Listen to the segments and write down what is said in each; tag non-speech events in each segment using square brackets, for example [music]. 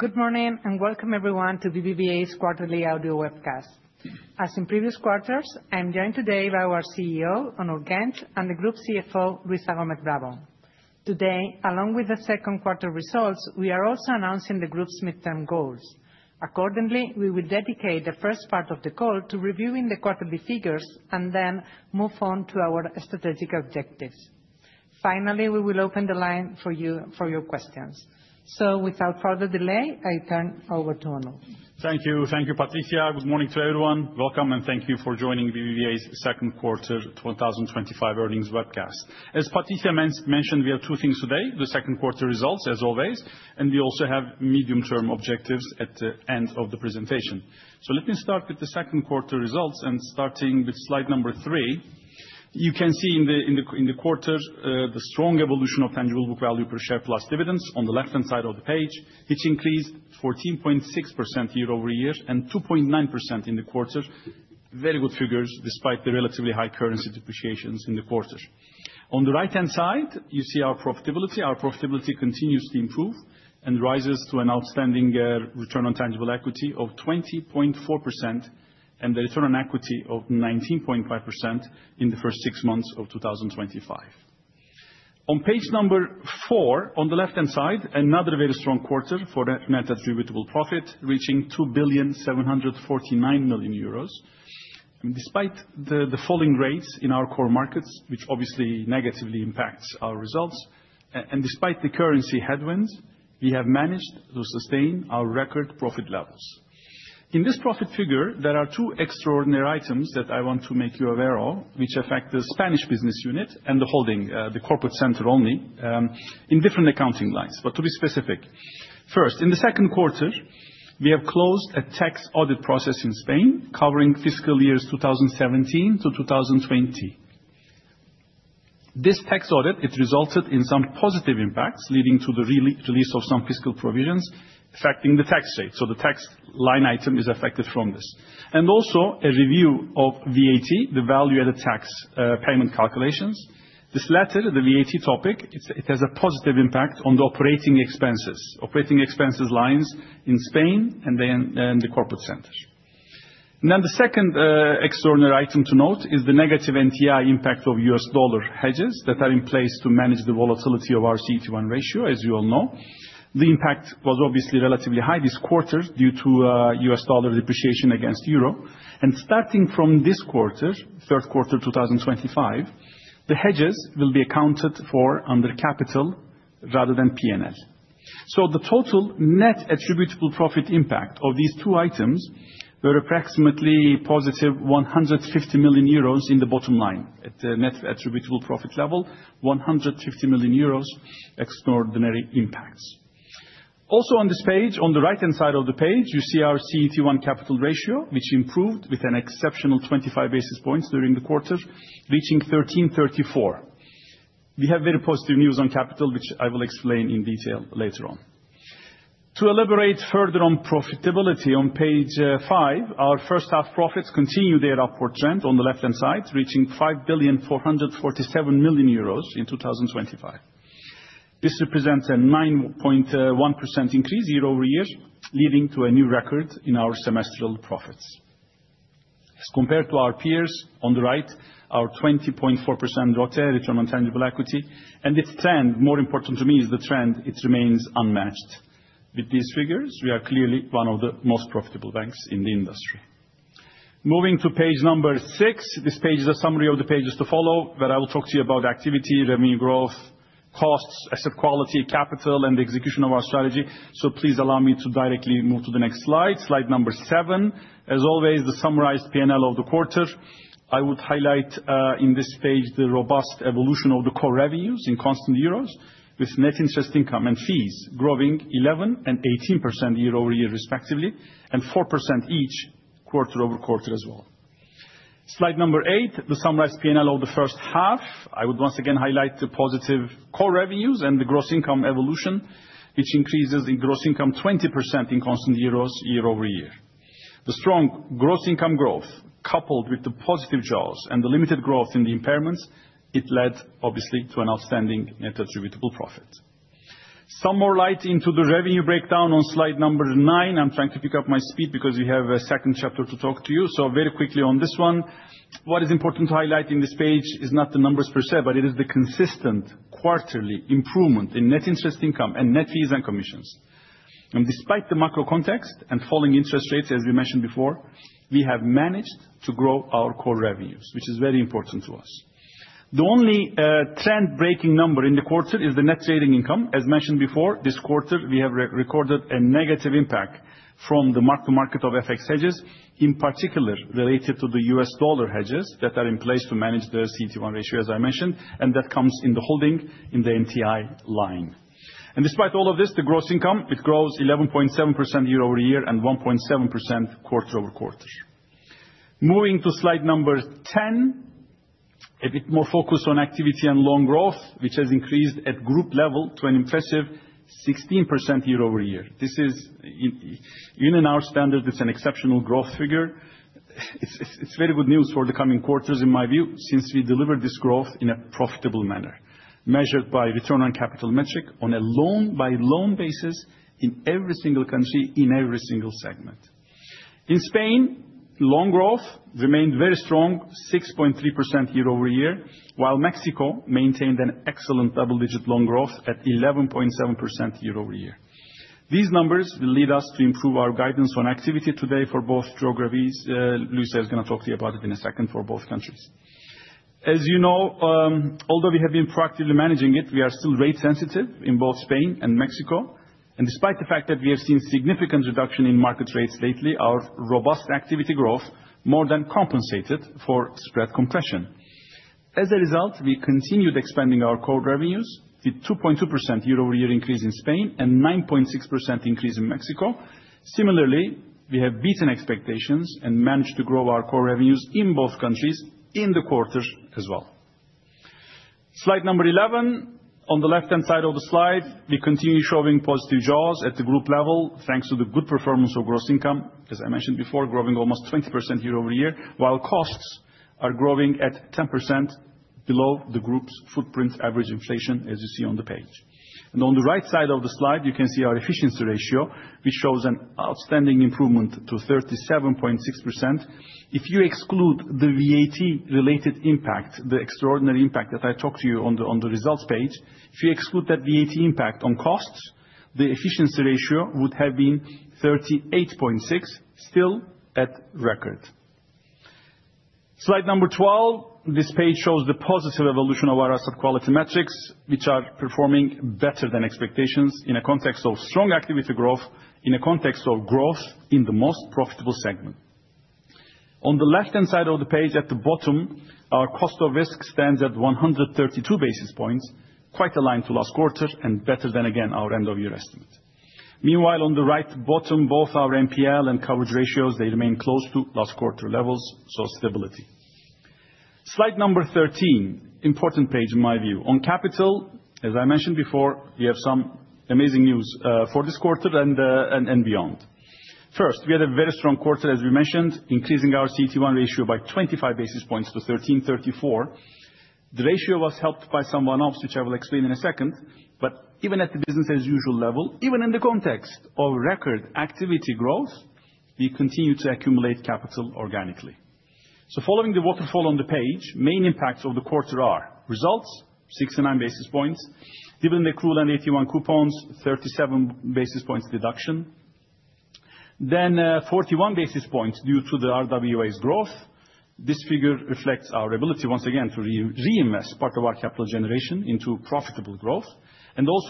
Good morning and welcome, everyone, to BBVA's quarterly audio webcast. As in previous quarters, I'm joined today by our CEO, Onur Genç, and the Group CFO, Luisa Gómez Bravo. Today, along with the second quarter results, we are also announcing the Group's midterm goals. Accordingly, we will dedicate the first part of the call to reviewing the quarterly figures and then move on to our strategic objectives. Finally, we will open the line for your questions. Without further delay, I turn over to Onur. Thank you. Thank you, Patricia. Good morning to everyone. Welcome, and thank you for joining BBVA's second quarter 2025 earnings webcast. As Patricia mentioned, we have two things today: the second quarter results, as always. And we also have medium-term objectives at the end of the presentation. Let me start with the second quarter results. Starting with slide number three, you can see in the quarter the strong evolution of tangible book value per share plus dividends on the left-hand side of the page. It's increased 14.6% year-over-year and 2.9% in the quarter. Very good figures despite the relatively high currency depreciations in the quarter. On the right-hand side, you see our profitability. Our profitability continues to improve and rises to an outstanding return on tangible equity of 20.4% and the return on equity of 19.5% in the first six months of 2025. On page number four, on the left-hand side, another very strong quarter for net attributable profit reaching 2.749 million euros. Despite the falling rates in our core markets, which obviously negatively impact our results, and despite the currency headwinds, we have managed to sustain our record profit levels. In this profit figure, there are two extraordinary items that I want to make you aware of, which affect the Spanish business unit and the holding, the Corporate Center only, in different accounting lines. To be specific, first, in the second quarter, we have closed a tax audit process in Spain covering fiscal years 2017 to 2020. This tax audit resulted in some positive impacts, leading to the release of some fiscal provisions affecting the tax rate. The tax line item is affected from this. Also, a review of VAT, the value-added tax payment calculations. This latter, the VAT topic, has a positive impact on the operating expenses lines in Spain and the Corporate Centers. The second extraordinary item to note is the negative NTI impact of U.S. dollar hedges that are in place to manage the volatility of our CET1 ratio, as you all know. The impact was obviously relatively high this quarter due to U.S. dollar depreciation against euro. Starting from this quarter, third quarter 2025, the hedges will be accounted for under capital rather than P&L. The total net attributable profit impact of these two items was approximately positive 150 million euros in the bottom line at the net attributable profit level, 150 million euros extraordinary impacts. Also, on this page, on the right-hand side of the page, you see our CET1 capital ratio, which improved with an exceptional 25 basis points during the quarter, reaching 13.34%. We have very positive news on capital, which I will explain in detail later on. To elaborate further on profitability, on page five. Our first-half profits continue their upward trend on the left-hand side, reaching 5.447 million euros in 2025. This represents a 9.1% increase year-over-year, leading to a new record in our semestral profits. As compared to our peers on the right, our 20.4% ROTE, return on tangible equity, and its trend, more important to me, is the trend it remains unmatched. With these figures, we are clearly one of the most profitable banks in the industry. Moving to page number six, this page is a summary of the pages to follow, where I will talk to you about activity, revenue growth, costs, asset quality, capital, and the execution of our strategy. Please allow me to directly move to the next slide, slide number seven. As always, the summarized P&L of the quarter. I would highlight in this page the robust evolution of the core revenues in constant euros, with net interest income and fees growing 11% and 18% year-over-year, respectively, and 4% each quarter over quarter as well. Slide number eight, the summarized P&L of the first half. I would once again highlight the positive core revenues and the gross income evolution, which increases in gross income 20% in constant euros year-over-year. The strong gross income growth, coupled with the positive jaws and the limited growth in the impairments, led obviously to an outstanding net attributable profit. Some more light into the revenue breakdown on slide number nine. I'm trying to pick up my speed because we have a second chapter to talk to you. Very quickly on this one, what is important to highlight in this page is not the numbers per se, but it is the consistent quarterly improvement in net interest income and net fees and commissions. Despite the macro context and falling interest rates, as we mentioned before, we have managed to grow our core revenues, which is very important to us. The only trend-breaking number in the quarter is the net trading income. As mentioned before, this quarter, we have recorded a negative impact from the mark-to-market of FX hedges, in particular related to the U.S. dollar hedges that are in place to manage the CET1 ratio, as I mentioned, and that comes in the holding in the NTI line. Despite all of this, the gross income grows 11.7% year-over-year and 1.7% quarter over quarter. Moving to slide number 10. A bit more focus on activity and loan growth, which has increased at group level to an impressive 16% year-over-year. This is, in our standards, an exceptional growth figure. It's very good news for the coming quarters, in my view, since we delivered this growth in a profitable manner, measured by return-on-capital metric on a loan-by-loan basis in every single country, in every single segment. In Spain, loan growth remained very strong, 6.3% year-over-year, while Mexico maintained an excellent double-digit loan growth at 11.7% year-over-year. These numbers will lead us to improve our guidance on activity today for both geographies. Luisa is going to talk to you about it in a second for both countries. As you know, although we have been proactively managing it, we are still rate-sensitive in both Spain and Mexico. Despite the fact that we have seen significant reduction in market rates lately, our robust activity growth more than compensated for spread compression. As a result, we continued expanding our core revenues with 2.2% year-over-year increase in Spain and 9.6% increase in Mexico. Similarly, we have beaten expectations and managed to grow our core revenues in both countries in the quarter as well. Slide number 11, on the left-hand side of the slide, we continue showing positive jaws at the group level thanks to the good performance of gross income, as I mentioned before, growing almost 20% year-over-year, while costs are growing at 10% below the group's footprint average inflation, as you see on the page. On the right side of the slide, you can see our efficiency ratio, which shows an outstanding improvement to 37.6%. If you exclude the VAT related impact, the extraordinary impact that I talked to you on the results page, if you exclude that VAT impact on costs, the efficiency ratio would have been 38.6%, still at record. Slide number 12, this page shows the positive evolution of our asset quality metrics, which are performing better than expectations in a context of strong activity growth, in a context of growth in the most profitable segment. On the left-hand side of the page, at the bottom, our cost of risk stands at 132 basis points, quite aligned to last quarter and better than again our end-of-year estimate. Meanwhile, on the right bottom, both our NPL and coverage ratios remain close to last quarter levels, so stability. Slide number 13, important page in my view. On capital, as I mentioned before, we have some amazing news for this quarter and beyond. First, we had a very strong quarter, as we mentioned, increasing our CET1 ratio by 25 basis points to 13.34%. The ratio was helped by some one-offs, which I will explain in a second. Even at the business-as-usual level, even in the context of record activity growth, we continue to accumulate capital organically. Following the waterfall on the page, main impacts of the quarter are: results, 69 basis points, given the accrued and AT1 coupons, 37 basis points deduction; then 41 basis points due to the RWAs growth. This figure reflects our ability, once again, to reinvest part of our capital generation into profitable growth.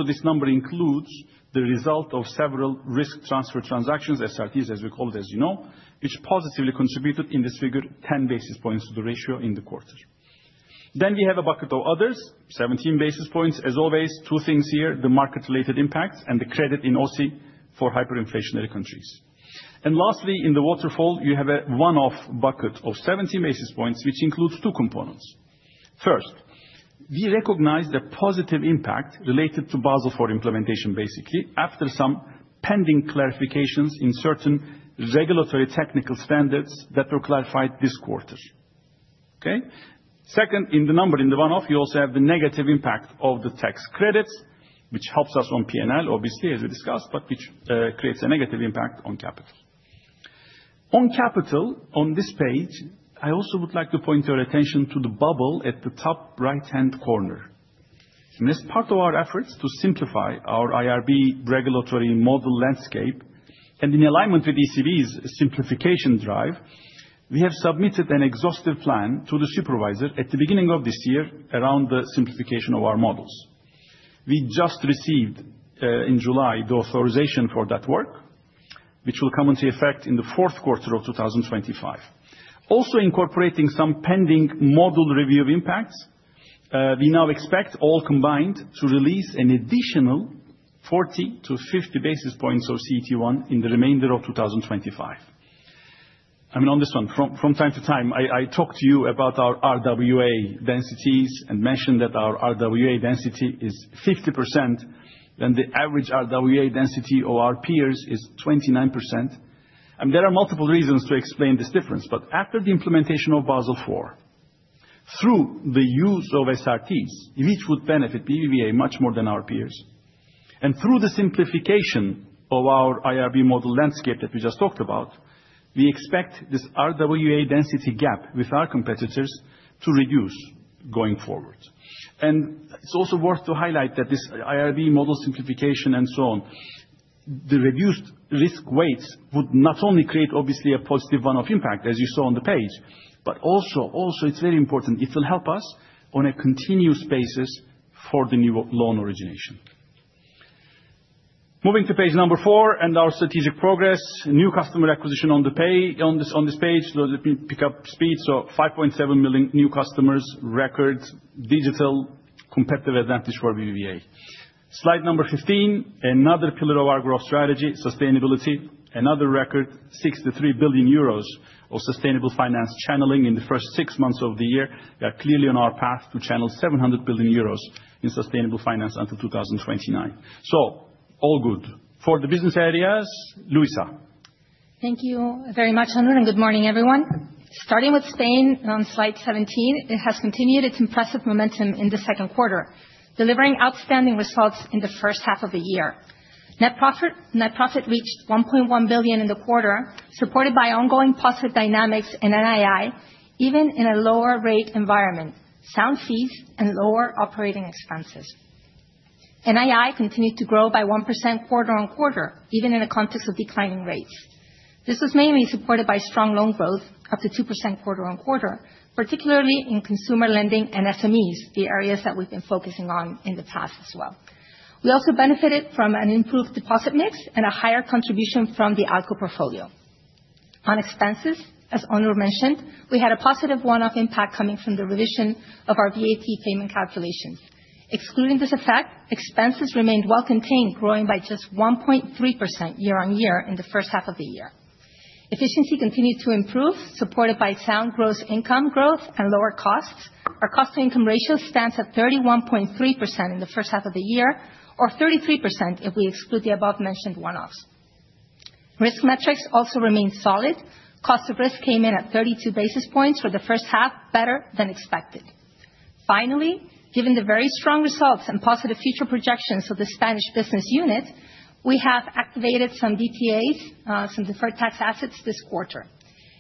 This number includes the result of several risk-transfer transactions, SRT, as we call it, as you know, which positively contributed in this figure, 10 basis points to the ratio in the quarter. We have a bucket of others, 17 basis points. As always, two things here: the market-related impacts and the credit in OCI for hyperinflationary countries. Lastly, in the waterfall, you have a one-off bucket of 70 basis points, which includes two components. First, we recognize the positive impact related to Basel IV implementation, basically, after some pending clarifications in certain regulatory technical standards that were clarified this quarter. Second, in the number, in the one-off, you also have the negative impact of the tax credits, which helps us on P&L, obviously, as we discussed, but which creates a negative impact on capital. On capital, on this page, I also would like to point your attention to the bubble at the top right-hand corner. As part of our efforts to simplify our IRB regulatory model landscape and in alignment with ECB's simplification drive, we have submitted an exhaustive plan to the supervisor at the beginning of this year around the simplification of our models. We just received, in July, the authorization for that work, which will come into effect in the fourth quarter of 2025. Also, incorporating some pending model review impacts, we now expect, all combined, to release an additional 40 to 50 basis points of CET1 in the remainder of 2025. I mean, on this one, from time to time, I talk to you about our RWA densities and mention that our RWA density is 50%, then the average RWA density of our peers is 29%. There are multiple reasons to explain this difference. After the implementation of Basel IV, through the use of SRTs, which would benefit BBVA much more than our peers, and through the simplification of our IRB model landscape that we just talked about, we expect this RWA density gap with our competitors to reduce going forward. It is also worth highlighting that this IRB model simplification and so on, the reduced risk weights would not only create, obviously, a positive one-off impact, as you saw on the page, but also, also, it's very important, it will help us on a continuous basis for the new-loan origination. Moving to page number four and our strategic progress, new customer acquisition on this page, let me pick up speed. 5.7 million new customers, record digital competitive advantage for BBVA. Slide number 15, another pillar of our growth strategy, sustainability. Another record, 63 billion euros of sustainable-finance channeling in the first six months of the year. We are clearly on our path to channel 700 billion euros in sustainable finance until 2029. All good. For the business areas, Luisa. Thank you very much, Onur, and good morning, everyone. Starting with Spain on slide 17, it has continued its impressive momentum in the second quarter, delivering outstanding results in the first half of the year. Net profit reached 1.1 billion in the quarter, supported by ongoing positive dynamics in NII, even in a lower-rate environment, sound fees, and lower operating expenses. NII continued to grow by 1% quarter-on-quarter, even in the context of declining rates. This was mainly supported by strong loan growth, up to 2% quarter-on-quarter, particularly in consumer lending and SMEs, the areas that we've been focusing on in the past as well. We also benefited from an improved deposit mix and a higher contribution from the ALCO portfolio. On expenses, as Onur mentioned, we had a positive one-off impact coming from the revision of our VAT payment calculations. Excluding this effect, expenses remained well-contained, growing by just 1.3% year-on-year in the first half of the year. Efficiency continued to improve, supported by sound gross income growth and lower costs. Our cost-to-income ratio stands at 31.3% in the first half of the year, or 33% if we exclude the above-mentioned one-offs. Risk metrics also remained solid. Cost of risk came in at 32 basis points for the first half, better than expected. Finally, given the very strong results and positive future projections of the Spanish business unit, we have activated some DTAs, some deferred tax assets this quarter.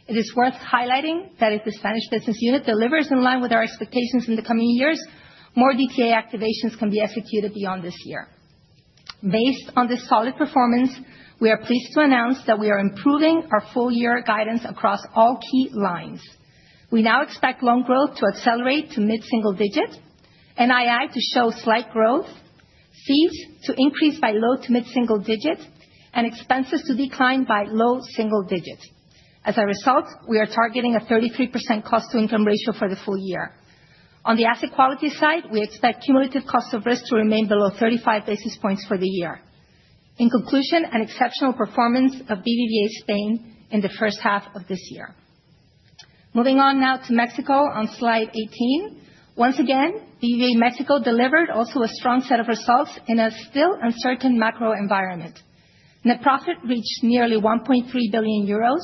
It is worth highlighting that if the Spanish business unit delivers in line with our expectations in the coming years, more DTA activations can be executed beyond this year. Based on this solid performance, we are pleased to announce that we are improving our full-year guidance across all key lines. We now expect loan growth to accelerate to mid-single-digit, NII to show slight growth, fees to increase by low to mid-single digit, and expenses to decline by low-single-digit. As a result, we are targeting a 33% cost-to-income ratio for the full year. On the asset-quality side, we expect cumulative cost of risk to remain below 35 basis points for the year. In conclusion, an exceptional performance of BBVA Spain in the first half of this year. Moving on now to Mexico on slide 18. Once again, BBVA Mexico delivered also a strong set of results in a still uncertain macro environment. Net profit reached nearly 1.3 billion euros,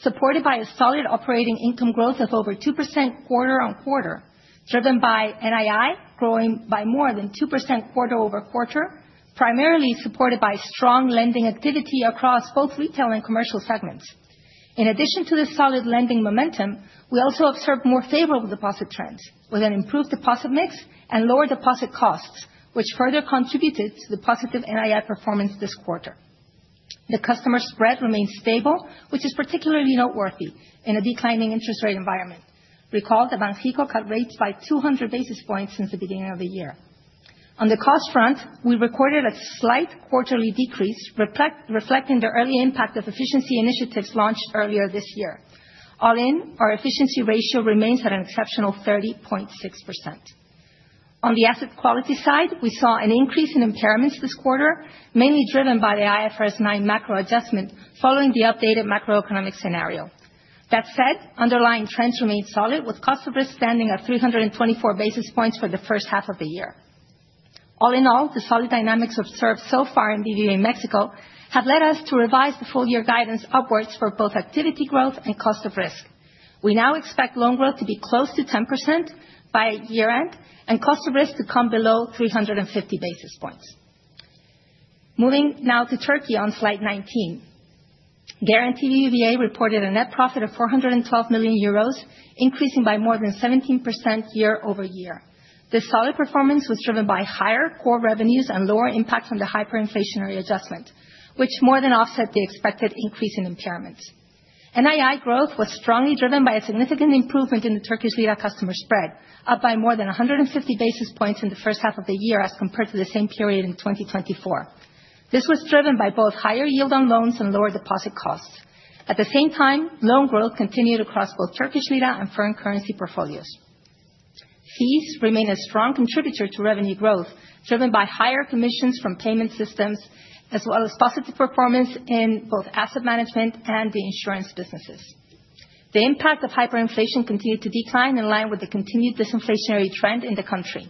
supported by a solid operating income growth of over 2% quarter-on-quarter, driven by NII growing by more than 2% quarter-over-quarter, primarily supported by strong lending activity across both retail and commercial segments. In addition to this solid lending momentum, we also observed more favorable deposit trends, with an improved deposit mix and lower deposit costs, which further contributed to the positive NII performance this quarter. The customer spread remained stable, which is particularly noteworthy in a declining interest-rate environment. Recall that Banxico cut rates by 200 basis points since the beginning of the year. On the cost front, we recorded a slight quarterly decrease, reflecting the early impact of efficiency initiatives launched earlier this year. All in, our efficiency ratio remains at an exceptional 30.6%. On the asset quality side, we saw an increase in impairments this quarter, mainly driven by the IFRS 9 macro adjustment following the updated macroeconomic scenario. That said, underlying trends remained solid, with cost of risk standing at 324 basis points for the first half of the year. All in all, the solid dynamics observed so far in BBVA Mexico have led us to revise the full-year guidance upwards for both activity growth and cost of risk. We now expect loan growth to be close to 10% by year-end and cost of risk to come below 350 basis points. Moving now to Turkey on slide 19. Garanti BBVA reported a net profit of 412 million euros, increasing by more than 17% year-over-year. This solid performance was driven by higher core revenues and lower impacts on the hyperinflationary adjustment, which more than offset the expected increase in impairments. NII growth was strongly driven by a significant improvement in the Turkish-lira customer spread, up by more than 150 basis points in the first half of the year as compared to the same period in 2024. This was driven by both higher yield on loans and lower deposit costs. At the same time, loan growth continued across both Turkish-lira and foreign-currency portfolios. Fees remain a strong contributor to revenue growth, driven by higher commissions from payment systems, as well as positive performance in both asset management and the insurance businesses. The impact of hyperinflation continued to decline in line with the continued disinflationary trend in the country.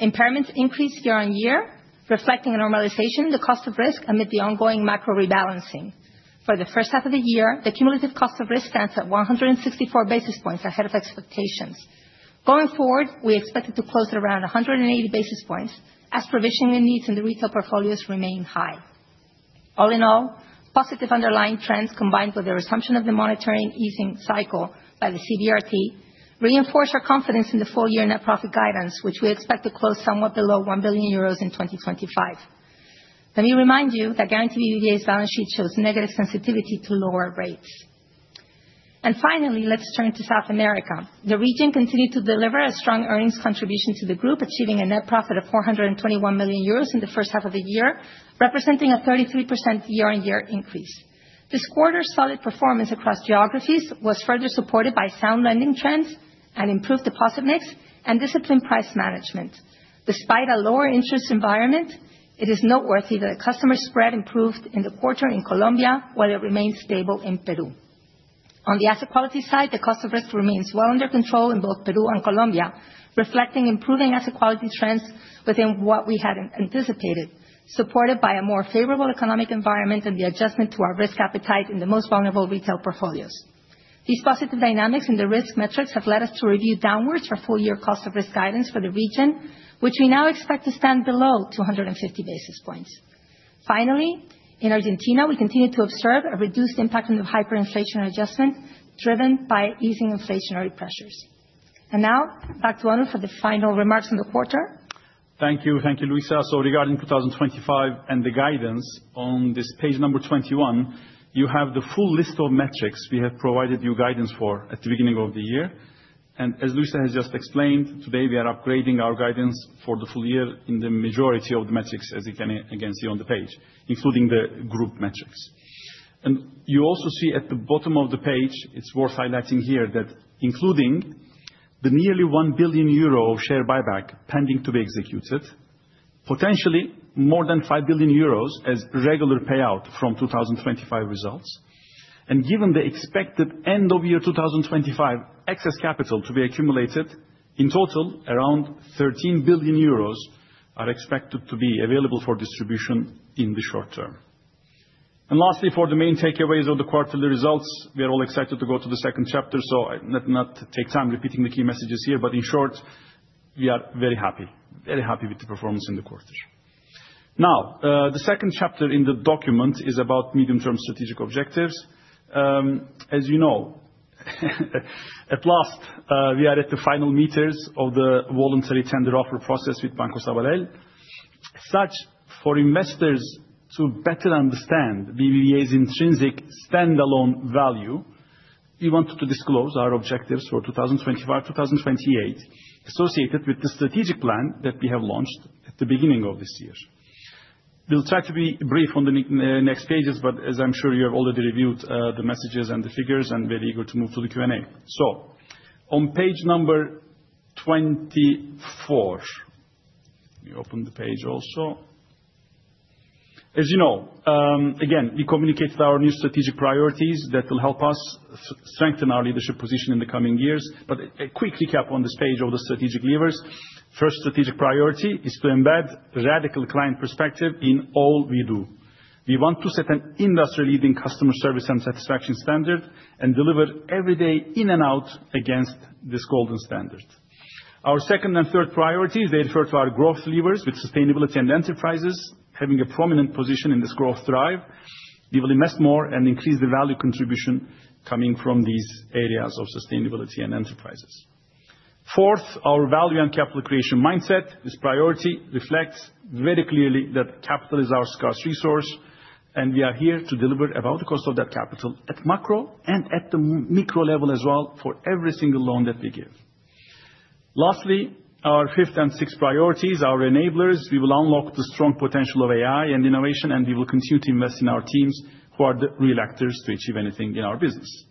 Impairments increased year-over-year, reflecting a normalization in the cost of risk amid the ongoing macro rebalancing. For the first half of the year, the cumulative cost of risk stands at 164 basis points ahead of expectations. Going forward, we expect it to close at around 180 basis points, as provisioning needs in the retail portfolios remain high. All in all, positive underlying trends combined with the resumption of the monetary-easing cycle by the CBRT reinforce our confidence in the full-year net-profit guidance, which we expect to close somewhat below 1 billion euros in 2025. Let me remind you that Garanti BBVA's balance sheet shows negative sensitivity to lower rates. Finally, let's turn to South America. The region continued to deliver a strong earnings contribution to the group, achieving a net profit of 421 million euros in the first half of the year, representing a 33% year-on-year increase. This quarter's solid performance across geographies was further supported by sound lending trends, and improved deposit mix, and disciplined price management. Despite a lower-interest-rate environment, it is noteworthy that the customer spread improved in the quarter in Colombia, while it remained stable in Peru. On the asset-quality side, the cost of risk remains well under control in both Peru and Colombia, reflecting improving asset-quality trends within what we had anticipated, supported by a more-favorable economic environment and the adjustment to our risk appetite in the most vulnerable retail portfolios. These positive dynamics in the risk metrics have led us to review downwards for full-year cost-of-risk guidance for the region, which we now expect to stand below 250 basis points. Finally, in Argentina, we continue to observe a reduced impact on the hyperinflationary adjustment, driven by easing inflationary pressures. Now, back to Onur for the final remarks on the quarter. Thank you. Thank you, Luisa. Regarding 2025 and the guidance on this page number 21, you have the full list of metrics we have provided you guidance for at the beginning of the year. As Luisa has just explained, today we are upgrading our guidance for the full year in the majority of the metrics, as you can again see on the page, including the group metrics. You also see at the bottom of the page, it's worth highlighting here that including the nearly 1 billion euro share buyback pending to be executed, potentially more than 5 billion euros as regular payout from 2025 results, and given the expected end-of-year 2025 excess capital to be accumulated, in total, around 13 billion euros are expected to be available for distribution in the short term. Lastly, for the main takeaways of the quarterly results, we are all excited to go to the second chapter. Let me not take time repeating the key messages here, but in short, we are very happy, very happy with the performance in the quarter. The second chapter in the document is about medium-term strategic objectives. As you know, at last, we are at the final meters of the voluntary-tender-offer process with Banco Sabadell. For investors to better understand BBVA's intrinsic standalone value, we wanted to disclose our objectives for 2025-2028 associated with the strategic plan that we have launched at the beginning of this year. We'll try to be brief on the next pages, but as I'm sure you have already reviewed the messages and the figures and are very eager to move to the Q&A. On page number 24, let me open the page also. As you know, again, we communicate our new strategic priorities that will help us strengthen our leadership position in the coming years. A quick recap on this page of the strategic levers: First strategic priority is to embed radical client perspective in all we do. We want to set an industry-leading customer service and satisfaction standard and deliver every day in and out against this golden standard. Our second and third priorities, they refer to our growth levers, with sustainability and enterprises having a prominent position in this growth drive. We will invest more and increase the value contribution coming from these areas of sustainability and enterprises. Fourth, our value-and-capital-creation mindset, this priority reflects very clearly that capital is our scarce resource, and we are here to deliver about the cost of that capital at macro and at the micro level as well for every single loan that we give. Lastly, our fifth and sixth priorities, our enablers, we will unlock the strong potential of AI and innovation, and we will continue to invest in our teams, who are the real actors to achieve anything in our business.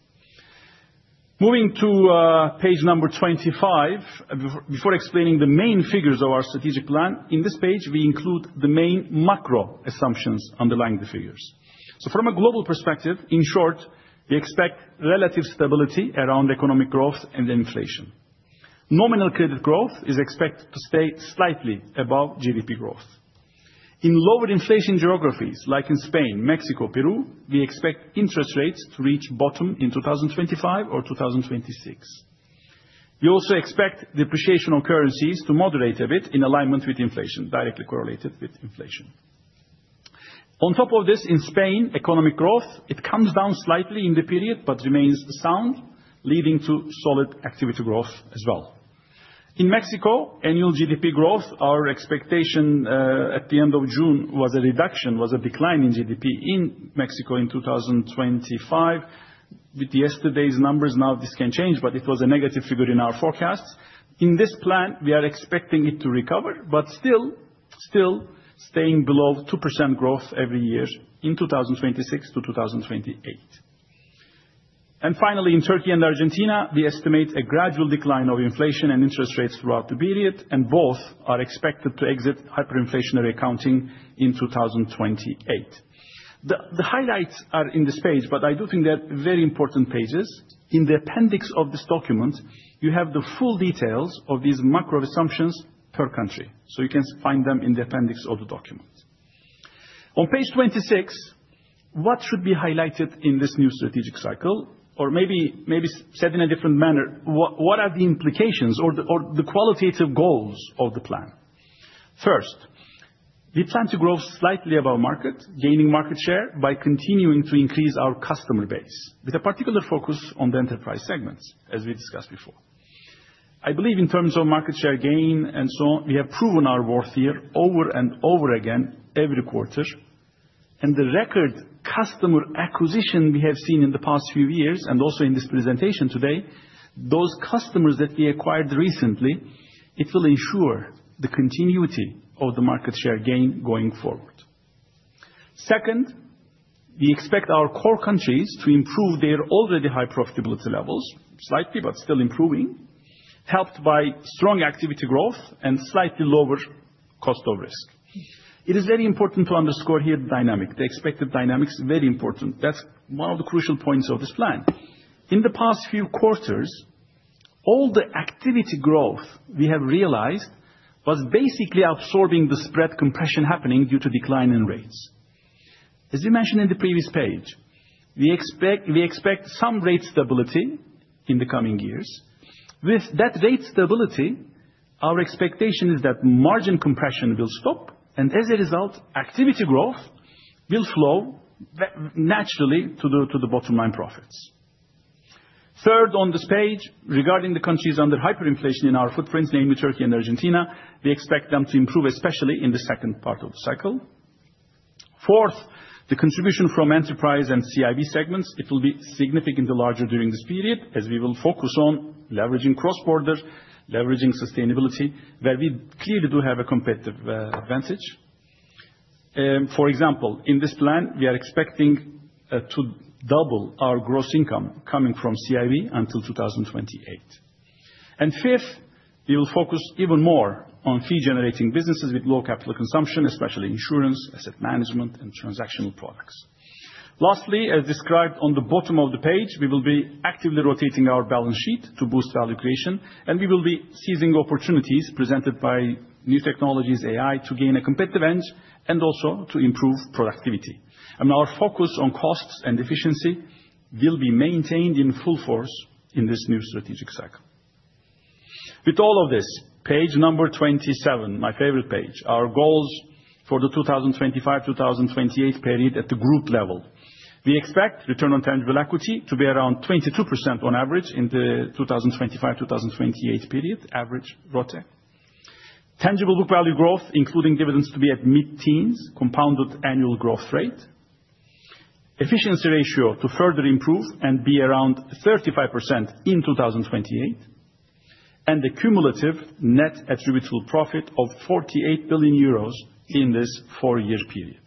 Moving to page number 25. Before explaining the main figures of our strategic plan, in this page, we include the main macro assumptions underlying the figures. From a global perspective, in short, we expect relative stability around economic growth and inflation. Nominal-credit growth is expected to stay slightly above GDP growth. In lower-inflation geographies like in Spain, Mexico, Peru, we expect interest rates to reach bottom in 2025 or 2026. We also expect depreciation on currencies to moderate a bit in alignment with inflation, directly correlated with inflation. On top of this, in Spain, economic growth, it comes down slightly in the period but remains sound, leading to solid activity growth as well. In Mexico, annual GDP growth, our expectation at the end of June was a reduction, was a decline in GDP in Mexico in 2025. With yesterday's numbers, now this can change, but it was a negative figure in our forecasts. In this plan, we are expecting it to recover, but still, still staying below 2% growth every year in 2026 to 2028. Finally, in Turkey and Argentina, we estimate a gradual decline of inflation and interest rates throughout the period, and both are expected to exit hyperinflationary accounting in 2028. The highlights are in this page, but I do think they're very important pages. In the appendix of this document, you have the full details of these macro assumptions per country, so you can find them in the appendix of the document. On page 26, what should be highlighted in this new strategic cycle? Or, maybe, maybe said in a different manner, what are the implications or the qualitative goals of the plan? First, we plan to grow slightly above market, gaining market share by continuing to increase our customer base, with a particular focus on the enterprise segments, as we discussed before. I believe in terms of market-share gain and so on, we have proven our worth here over and over again every quarter. The record customer acquisition we have seen in the past few years and also in this presentation today, those customers that we acquired recently, it will ensure the continuity of the market- share gain going forward. Second, we expect our core countries to improve their already high profitability levels—slightly, but still improving, helped by strong activity growth and slightly lower cost of risk. It is very important to underscore here the dynamic, the expected dynamics, very important. That's one of the crucial points of this plan. In the past few quarters, all the activity growth we have realized was basically absorbing the spread compression happening due to decline in rates. As you mentioned in the previous page, we expect, we expect some rate stability in the coming years. With that rate stability, our expectation is that margin compression will stop, and as a result, activity growth will flow naturally to the bottom-line profits. Third, on this page, regarding the countries under hyperinflation in our footprints—namely Turkey and Argentina, we expect them to improve especially in the second part of the cycle. Fourth, the contribution from enterprise and CIB segments, it will be significantly larger during this period, as we will focus on leveraging cross-border, leveraging sustainability, where we clearly do have a competitive advantage. For example, in this plan, we are expecting to double our gross income coming from CIB until 2028. Fifth, we will focus even more on fee-generating businesses with low capital consumption, especially insurance, asset management, and transactional products. Lastly, as described on the bottom of the page, we will be actively rotating our balance sheet to boost value creation, and we will be seizing opportunities presented by new technologies, AI— to gain a competitive edge and also to improve productivity. Our focus on costs and efficiency will be maintained in full force in this new strategic cycle. With all of this, page number 27—my favorite page, our goals for the 2025-2028 period at the group level. We expect return-on-tangible-equity to be around 22% on average in the 2025-2028 period, average rotated. Tangible-book-value growth, including dividends, to be at mid-teens, compounded annual growth rate. Efficiency ratio to further improve and be around 35% in 2028. The cumulative net-attributable profit of 48 billion euros in this four-year period.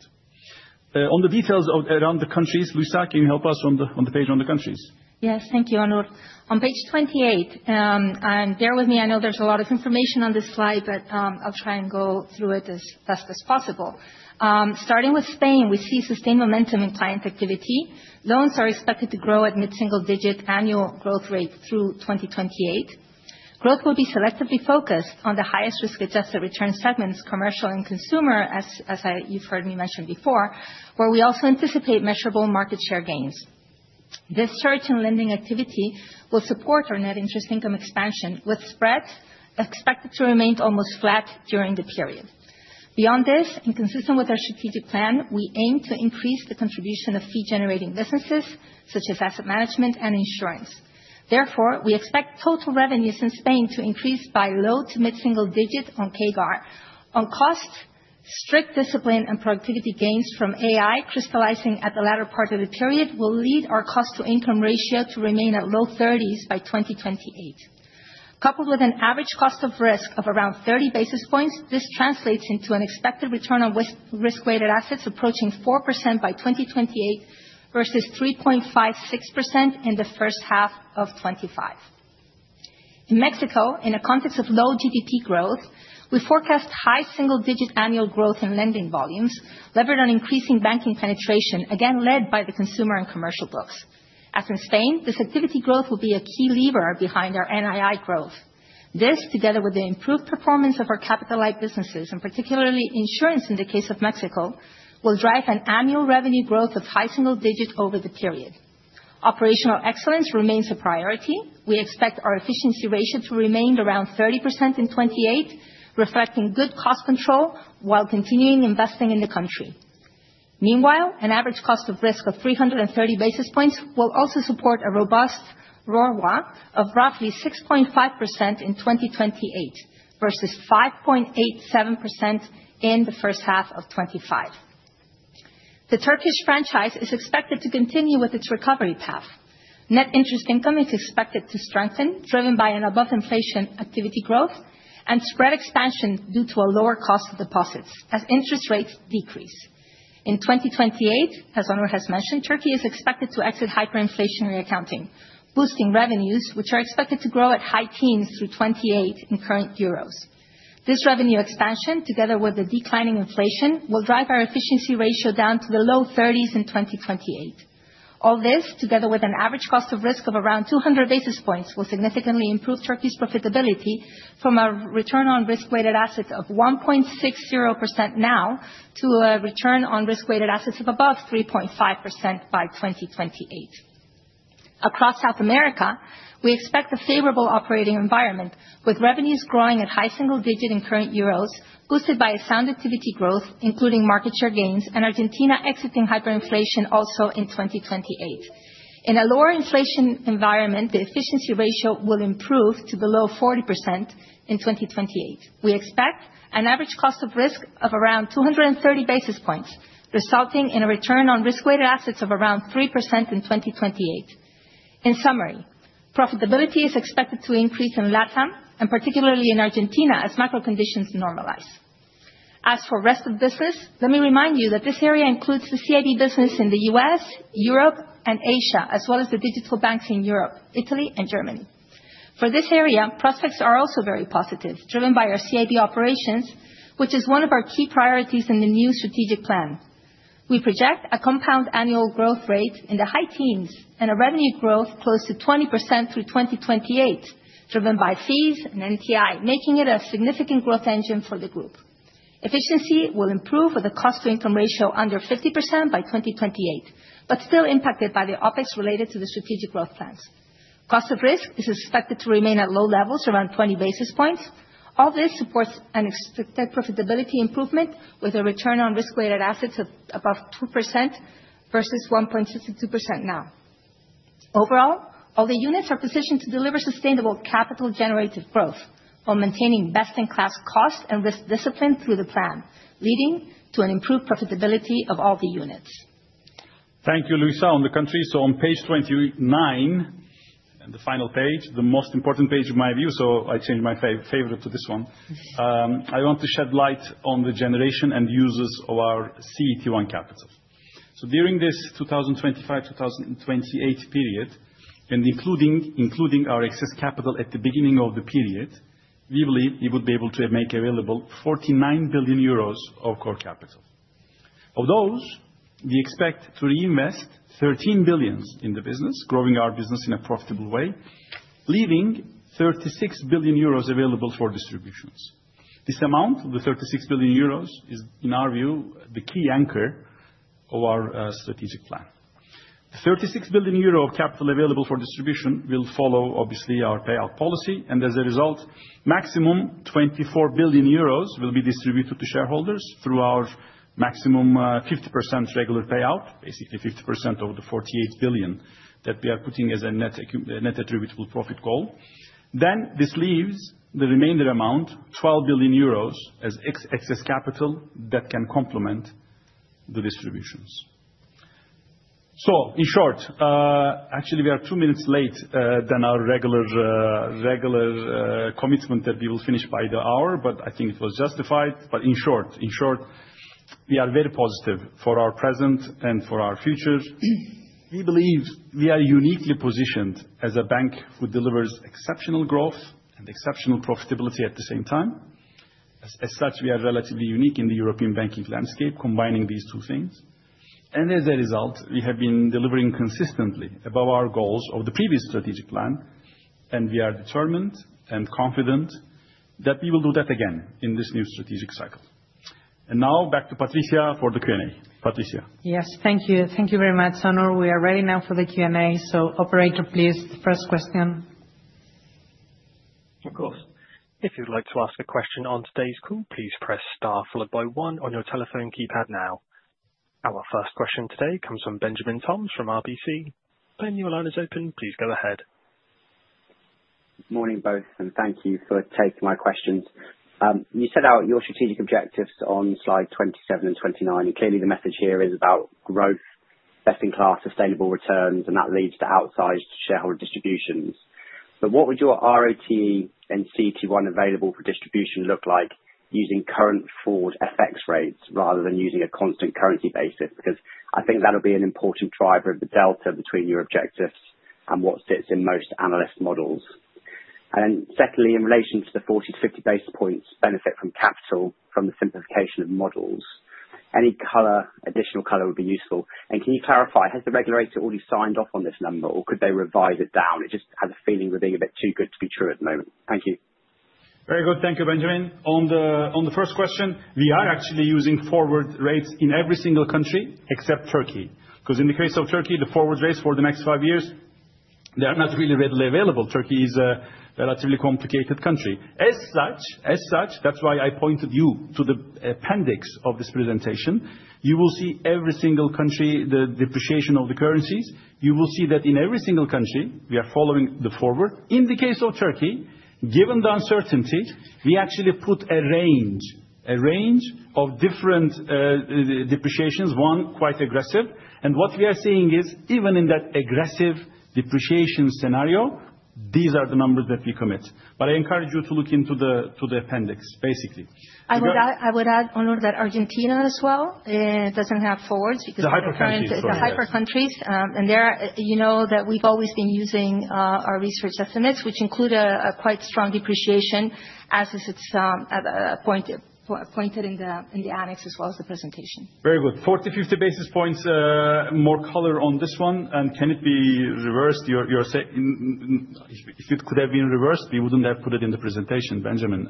On the details around the countries—Luisa, can you help us on the page on the countries? Yes, thank you, Onur. On page 28. Bear with me, I know there's a lot of information on this slide, but I'll try and go through it as fast as possible. Starting with Spain, we see sustained momentum in client activity. Loans are expected to grow at mid-single-digit annual growth rate through 2028. Growth will be selectively focused on the highest risk-adjusted-return segments, commercial and consumer, as you've heard me mention before, where we also anticipate measurable market-share gains. This surge in lending activity will support our net-interest-income expansion, with spread expected to remain almost flat during the period. Beyond this, and consistent with our strategic plan, we aim to increase the contribution of fee-generating businesses such as asset management and insurance. Therefore, we expect total revenues in Spain to increase by low to mid-single-digit on CAGR. On cost, strict discipline and productivity gains from AI—crystallizing at the latter part of the period will lead our cost-to-income ratio to remain at low-30s by 2028. Coupled with an average cost of risk of around 30 basis points, this translates into an expected return-on-risk-weighted-assets approaching 4% by 2028 versus 3.56% in the first half of 2025. In Mexico, in a context of low GDP growth, we forecast high-single-digit annual growth in lending volumes, levered on increasing banking penetration, again led by the consumer and commercial books. As in Spain, this activity growth will be a key lever behind our NII growth. This, together with the improved performance of our capital-like businesses, and particularly insurance in the case of Mexico, will drive an annual revenue growth of high-single-digit over the period. Operational excellence remains a priority. We expect our efficiency ratio to remain around 30% in 2028, reflecting good cost control while continuing investing in the country. Meanwhile, an average cost of risk of 330 basis points will also support a robust RORWA of roughly 6.5% in 2028 versus 5.87% in the first half of 2025. The Turkish franchise is expected to continue with its recovery path. Net-interest income is expected to strengthen, driven by an above-inflation activity growth and spread expansion dueq to a lower cost of deposits as interest rates decrease. In 2028, as Onur has mentioned, Turkey is expected to exit hyperinflationary accounting, boosting revenues, which are expected to grow at high-teens through 2028 in current euros. This revenue expansion, together with the declining inflation, will drive our efficiency ratio down to the low-30s in 2028. All this, together with an average cost of risk of around 200 basis points, will significantly improve Turkey's profitability from a return-on-risk-weighted-assets of 1.60% now to a return-on-risk-weighted-assets of above 3.5% by 2028. Across South America, we expect a favorable operating environment, with revenues growing at high-single-digit in current euros, boosted by sound activity growth, including market share gains, and Argentina exiting hyperinflation also in 2028. In a lower inflation environment, the efficiency ratio will improve to below 40% in 2028. We expect an average cost of risk of around 230 basis points, resulting in a return-on risk-weighted-assets of around 3% in 2028. In summary, profitability is expected to increase in LATAM and particularly in Argentina as macro conditions normalize. As for rest of business, let me remind you that this area includes the CIB business in the U.S., Europe, and Asia, as well as the digital banks in Europe, Italy, and Germany. For this area, prospects are also very positive, driven by our CIB operations, which is one of our key priorities in the new strategic plan. We project a compound annual growth rate in the high-teens and a revenue growth close to 20% through 2028, driven by fees and NTI, making it a significant growth engine for the group. Efficiency will improve, with a cost-to-income ratio under 50% by 2028, but still impacted by the OpEx related to the strategic growth plans. Cost of risk is expected to remain at low levels, around 20 basis points. All this supports an expected profitability improvement with, a return-on-risk-weighted-assets of above 2% versus 1.62% now. Overall, all the units are positioned to deliver sustainable capital-generative growth while maintaining best-in-class cost and risk discipline through the plan, leading to an improved profitability of all the units. Thank you, Luisa. On the country, on page 29. The final page, the most important page in my view, I changed my favorite to this one. I want to shed light on the generation and uses of our CET1 capital. During this 2025-2028 period, including our excess capital at the beginning of the period, we believe we would be able to make available 49 billion euros of core capital. Of those, we expect to reinvest 13 billion in the business, growing our business in a profitable way, leaving 36 billion euros available for distributions. This amount, the 36 billion euros, is, in our view, the key anchor of our strategic plan. The 36 billion euro of capital available for distribution will follow, obviously, our payout policy, and as a result, maximum 24 billion euros will be distributed to shareholders through our maximum 50% regular payout, basically 50% of the 48 billion that we are putting as a net-attributable-profit goal. This leaves the remainder amount, 12 billion euros, as excess capital that can complement the distributions. In short, we are two minutes late than our regular commitment that we will finish by the hour, but I think it was justified. In short, we are very positive for our present and for our future. We believe we are uniquely positioned as a bank who delivers exceptional growth and exceptional profitability at the same time. As such, we are relatively unique in the European banking landscape, combining these two things. As a result, we have been delivering consistently above our goals of the previous strategic plan, and we are determined and confident that we will do that again in this new strategic cycle. Now back to Patricia for the Q&A. Patricia. Yes, thank you. Thank you very much, Onur. We are ready now for the Q&A. Operator, please, the first question. Of course. If you'd like to ask a question on today's call, please press star followed by one on your telephone keypad now. Our first question today comes from Benjamin Toms from RBC. When your line is open, please go ahead. Good morning, both, and thank you for taking my questions. You set out your strategic objectives on slide 27 and 29, and clearly the message here is about growth, best-in-class, sustainable returns, and that leads to outsized shareholder distributions. What would your ROTE and CET1 available for distribution look like using current forward FX rates rather than using a constant currency basis? I think that'll be an important driver of the delta between your objectives and what sits in most analyst models. Secondly, in relation to the 40 to 50 basis points benefit from capital from the simplification of models, any additional color would be useful. Can you clarify, has the regulator already signed off on this number, or could they revise it down? It just has a feeling we're being a bit too good to be true at the moment. Thank you. Very good. Thank you, Benjamin. On the first question, we are actually using forward rates in every single country except Turkey. In the case of Turkey, the forward rates for the next five years, they are not really readily available. Turkey is a relatively complicated country. As such, that's why I pointed you to the appendix of this presentation. You will see every single country, the depreciation of the currencies. You will see that in every single country, we are following the forward. In the case of Turkey, given the uncertainty, we actually put a range, a range of different depreciations, one quite aggressive. What we are seeing is, even in that aggressive-depreciation scenario, these are the numbers that we commit. I encourage you to look into the appendix, basically. I would add, Onur, that Argentina as well doesn't have forwards because it's a [crosstalk] —hyper-countries. There you know that we've always been using our research estimates, which include a quite strong depreciation, as is pointed in the annex as well as the presentation. Very good. 40 to 50 basis points, more color on this one. Can it be reversed? you're saying? If it could have been reversed, we wouldn't have put it in the presentation, Benjamin.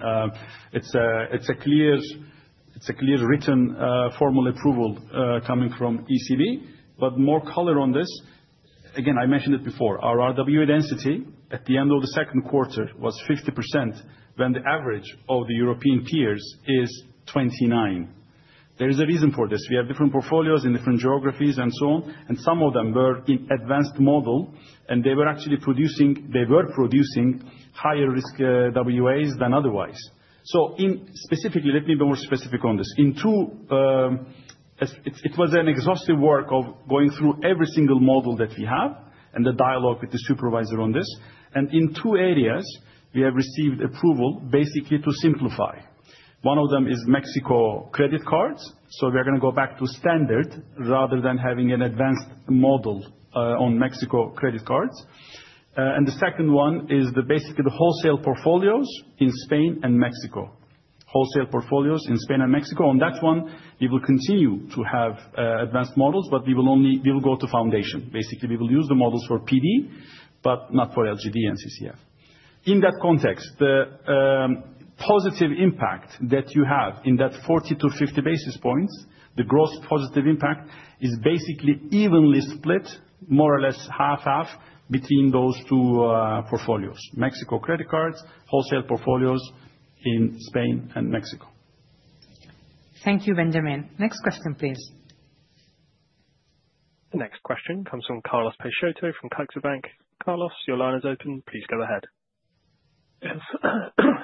It's a clear, written, formal approval coming from ECB. More color on this. Again, I mentioned it before, our RWA density at the end of the second quarter was 50% when the average of the European peers is 29%. There is a reason for this. We have different portfolios in different geographies and so on. And some of them were in advanced-model, and they were actually producing higher RWAs than otherwise. Specifically, let me be more specific on this. It was an exhaustive work of going through every single model that we have and the dialogue with the supervisor on this. In two areas, we have received approval, basically to simplify. One of them is Mexico credit cards. We are going to go back to Standard rather than having an Advanced model on Mexico credit cards. The second one is basically the wholesale portfolios in Spain and Mexico. Wholesale portfolios in Spain and Mexico. On that one, we will continue to have Advanced models, but we will go to Foundation. Basically, we will use the models for PD, but not for LGD and CCF. In that context, the positive impact that you have in that 40 to 50 basis points, the gross positive impact, is basically evenly split, more or less half-half, between those two portfolios, Mexico credit cards, wholesale portfolios in Spain and Mexico. Thank you, Benjamin. Next question, please. The next question comes from Carlos Peixoto from CaixaBank. Carlos, your line is open. Please go ahead.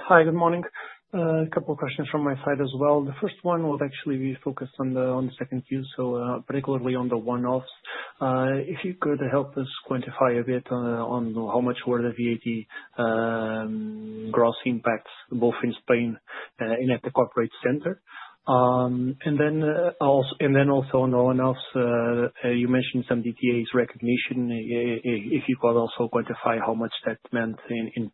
Hi, good morning. A couple of questions from my side as well. The first one would actually be focused on the second few, so particularly on the one-offs. If you could help us quantify a bit on how much were the VAT gross impacts, both in Spain and at the Corporate Center. Also, on the one-offs, you mentioned some DTAs recogniti—on. If you could also quantify how much that meant in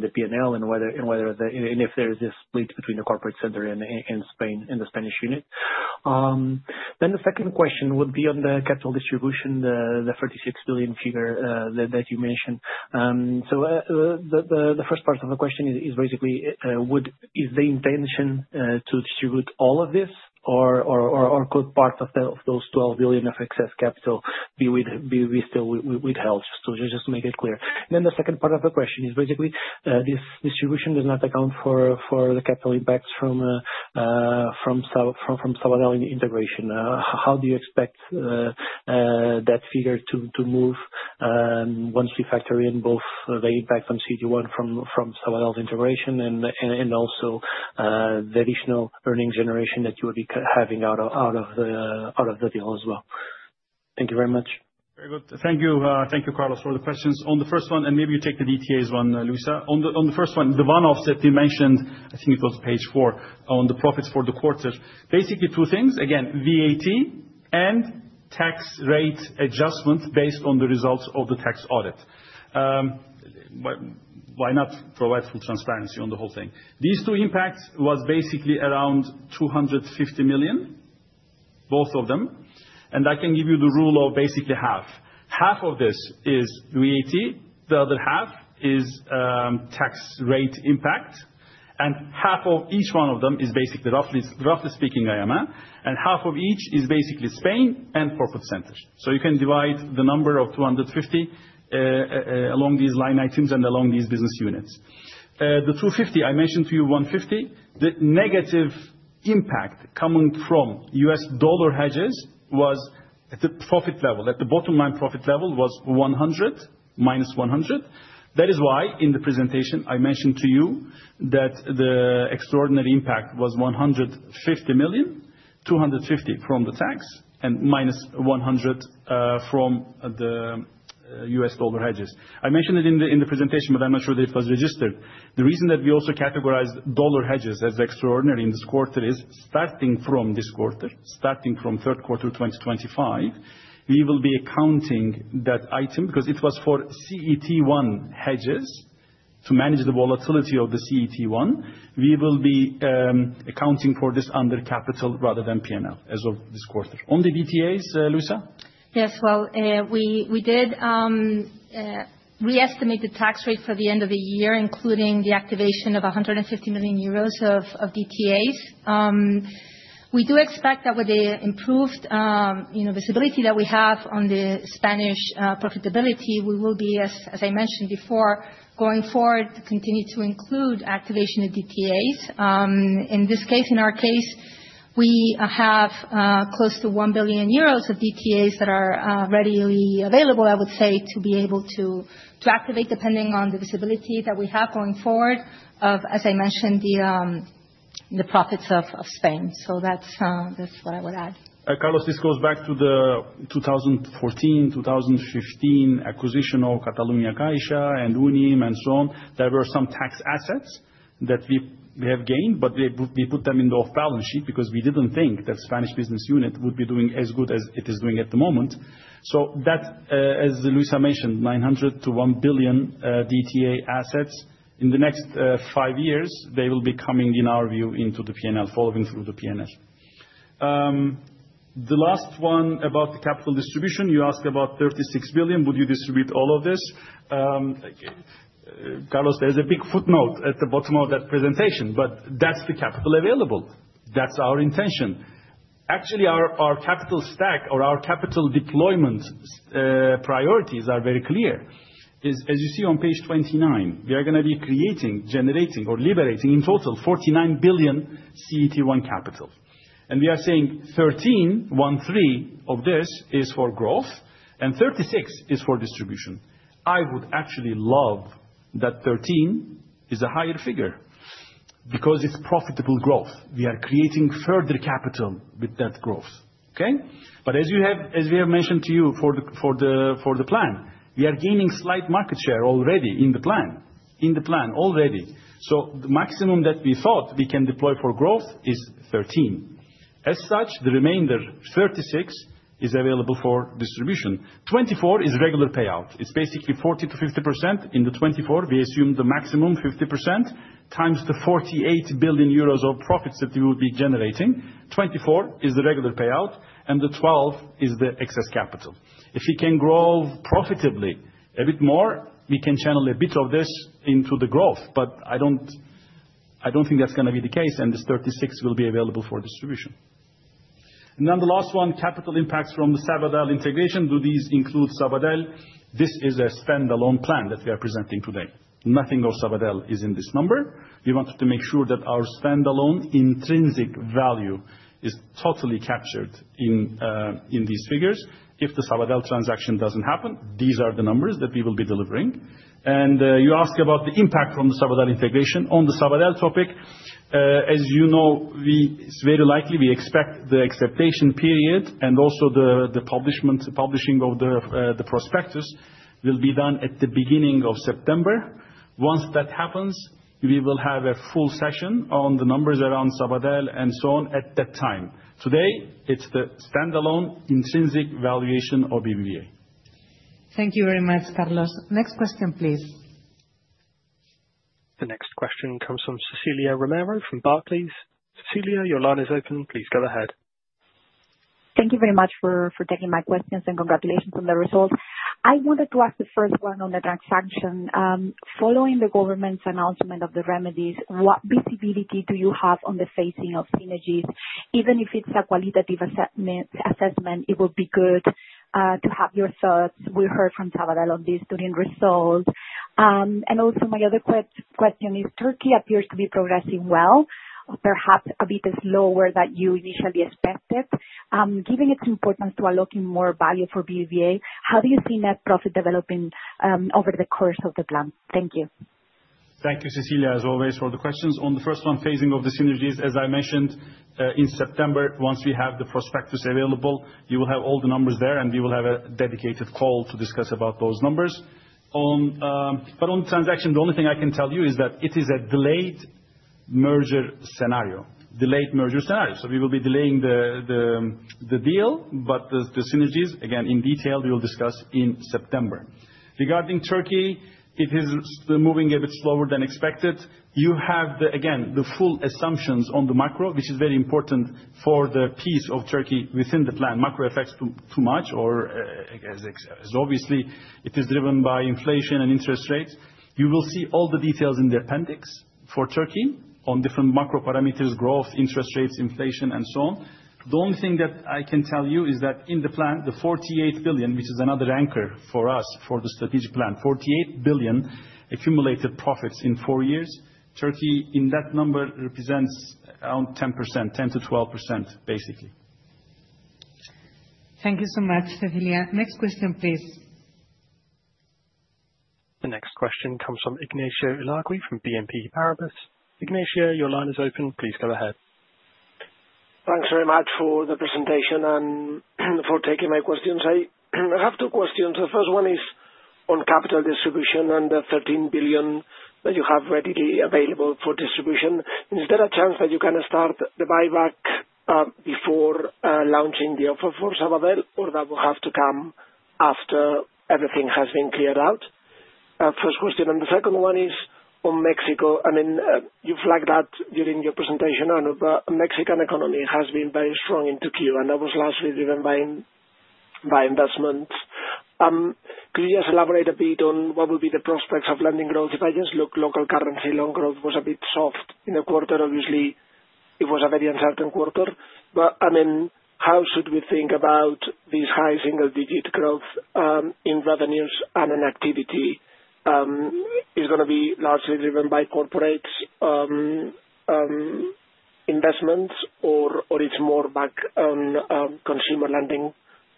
the P&L and whether there is a split between the Corporate Center and Spain—and the Spanish unit. The second question would be on the capital distribution, the 36 billion figure that you mentioned. The first part of the question is basically, is the intention to distribute all of this, or could part of those 12 billion of excess capital be withheld? Just to make it clear. The second part of the question is basically: this distribution does not account for the capital impacts from Sabadell integration. How do you expect that figure to move once we factor in both the impact on CET1 from Sabadell's integration and also the additional earnings generation that you would be having out of the deal as well? Thank you very much. Very good. Thank you, Carlos, for the questions. On the first one—and maybe you take the DTAs one, Luisa. On the first one, the one-offs that you mentioned, I think it was page four, on the profits for the quarter. Basically, two things: again, VAT and tax-rate adjustment based on the results of the tax audit. Why not provide full transparency on the whole thing? These two impacts were basically around 250 million—both of them. I can give you the rule of basically half: half of this is VAT, the other half is tax-rate impact, and half of each one of them is basically, roughly speaking, IMA, and half of each is basically Spain and Corporate Centers. You can divide the number of 250 million along these line items and along these business units. The 250 million, I mentioned to you 150 million, the negative impact coming from U.S. dollar hedges was at the profit level, at the bottom-line profit level was 100 minus 100. That is why, in the presentation, I mentioned to you that the extraordinary impact was 150 million, 250 million from the tax, and -100 million from the U.S. dollar hedges. I mentioned it in the presentation, but I'm not sure that it was registered. The reason that we also categorized dollar hedges as extraordinary in this quarter is starting from this quarter, starting from third quarter 2025, we will be accounting that item, because it was for CET1 hedges to manage the volatility of the CET1. We will be accounting for this under capital rather than P&L as of this quarter. On the DTAs, Luisa? Yes. We did re-estimate the tax rate for the end of the year, including the activation of 150 million euros of DTAs. We do expect that with the improved visibility that we have on the Spanish profitability, we will be, as I mentioned before, going forward to continue to include activation of DTAs. In this case, in our case, we have close to 1 billion euros of DTAs that are readily available, I would say, to be able to activate depending on the visibility that we have going forward of, as I mentioned, the profits of Spain. That's what I would add. Carlos, this goes back to the 2014, 2015 acquisition of CatalunyaCaixa and Unnim and so on. There were some tax assets that we have gained, but we put them in the off-balance sheet because we didn't think that Spanish business unit would be doing as good as it is doing at the moment. As Luisa mentioned, 900 to 1 billion DTA assets, in the next five years, they will be coming, in our view, into the P&L, following through the P&L. The last one, about the capital distribution, you asked about 36 billion. Would you distribute all of this? Carlos, there's a big footnote at the bottom of that presentation, but that's the capital available—that's our intention. Actually, our capital stack, or our capital-deployment priorities, are very clear. As you see on page 29, we are going to be creating, generating, or liberating in total, 49 billion CET1 capital. We are saying 13 billion of this is for growth, and 36 billion is for distribution. I would actually love that 13 billion is a higher figure because it's profitable growth. We are creating further capital with that growth. As we have mentioned to you for the plan, we are gaining slight market share already in the plan. In the plan already. The maximum that we thought we can deploy for growth is 13 billion. As such, the remainder, 36 billion, is available for distribution. 24 billion is regular payout. It's basically 40% to 50%. In the 24 billion, we assume the maximum 50% times the 48 billion euros of profits that we would be generating. 24 billion is the regular payout, and the 12 billion is the excess capital. If we can grow profitably a bit more, we can channel a bit of this into the growth, but I don't think that's going to be the case, and this 36 billion will be available for distribution. The last one, capital impacts from the Sabadell integration. Do these include Sabadell? This is a standalone plan that we are presenting today. Nothing of Sabadell is in this number. We wanted to make sure that our standalone intrinsic value is totally captured in these figures. If the Sabadell transaction doesn't happen, these are the numbers that we will be delivering. You ask about the impact from the Sabadell integration. On the Sabadell topic, as you know, it's very likely we expect the acceptation period and also the publishing of the prospectus will be done at the beginning of September. Once that happens, we will have a full session on the numbers around Sabadell and so on at that time. Today, it's the standalone intrinsic valuation of BBVA. Thank you very much, Carlos. Next question, please. The next question comes from Cecilia Romero from Barclays. Cecilia, your line is open. Please go ahead. Thank you very much for taking my questions and congratulations on the results. I wanted to ask the first one on the transaction. Following the government's announcement of the remedies, what visibility do you have on the phasing of synergies? Even if it's a qualitative assessment, it would be good to have your thoughts. We heard from Sabadell on this during results. My other question is, Turkey appears to be progressing well, perhaps a bit slower than you initially expected. Given its importance to allocate more value for BBVA, how do you see net profit developing over the course of the plan? Thank you. Thank you, Cecilia, as always, for the questions. On the first one, phasing of the synergies, as I mentioned, in September, once we have the prospectus available, you will have all the numbers there, and we will have a dedicated call to discuss those numbers. On the transaction, the only thing I can tell you is that it is a delayed-merger scenario. Delayed-merger scenario. We will be delaying the deal, but the synergies, again, in detail, we will discuss in September. Regarding Turkey, it is moving a bit slower than expected. You have, again, the full assumptions on the macro, which is very important for the piece of Turkey within the plan. Macro affects too much, as obviously, it is driven by inflation and interest rates. You will see all the details in the appendix for Turkey on different macro parameters: growth, interest rates, inflation, and so on. The only thing that I can tell you is that in the plan, the 48 billion, which is another anchor for us for the strategic plan, 48 billion accumulated profits in four years, Turkey, in that number, represents around 10%, 10% to 12%, basically. Thank you so much, Cecilia. Next question, please. The next question comes from Ignacio Ulargui from BNP Paribas. Ignacio, your line is open. Please go ahead. Thanks very much for the presentation and for taking my questions. I have two questions. The first one is on capital distribution and the 13 billion that you have readily available for distribution. Is there a chance that you can start the buyback before launching the offer for Sabadell, or that will have to come after everything has been cleared out? First question. The second one is on Mexico. I mean, you flagged that during your presentation, and the Mexican economy has been very strong in Q2, and that was largely driven by investments. Could you just elaborate a bit on what would be the prospects of lending growth? If I just look, local-currency loan growth was a bit soft in the quarter. Obviously, it was a very uncertain quarter. How should we think about these high-single-digit growth in revenues and in activity? Is it going to be largely driven by corporate investments, or it's more back on consumer lending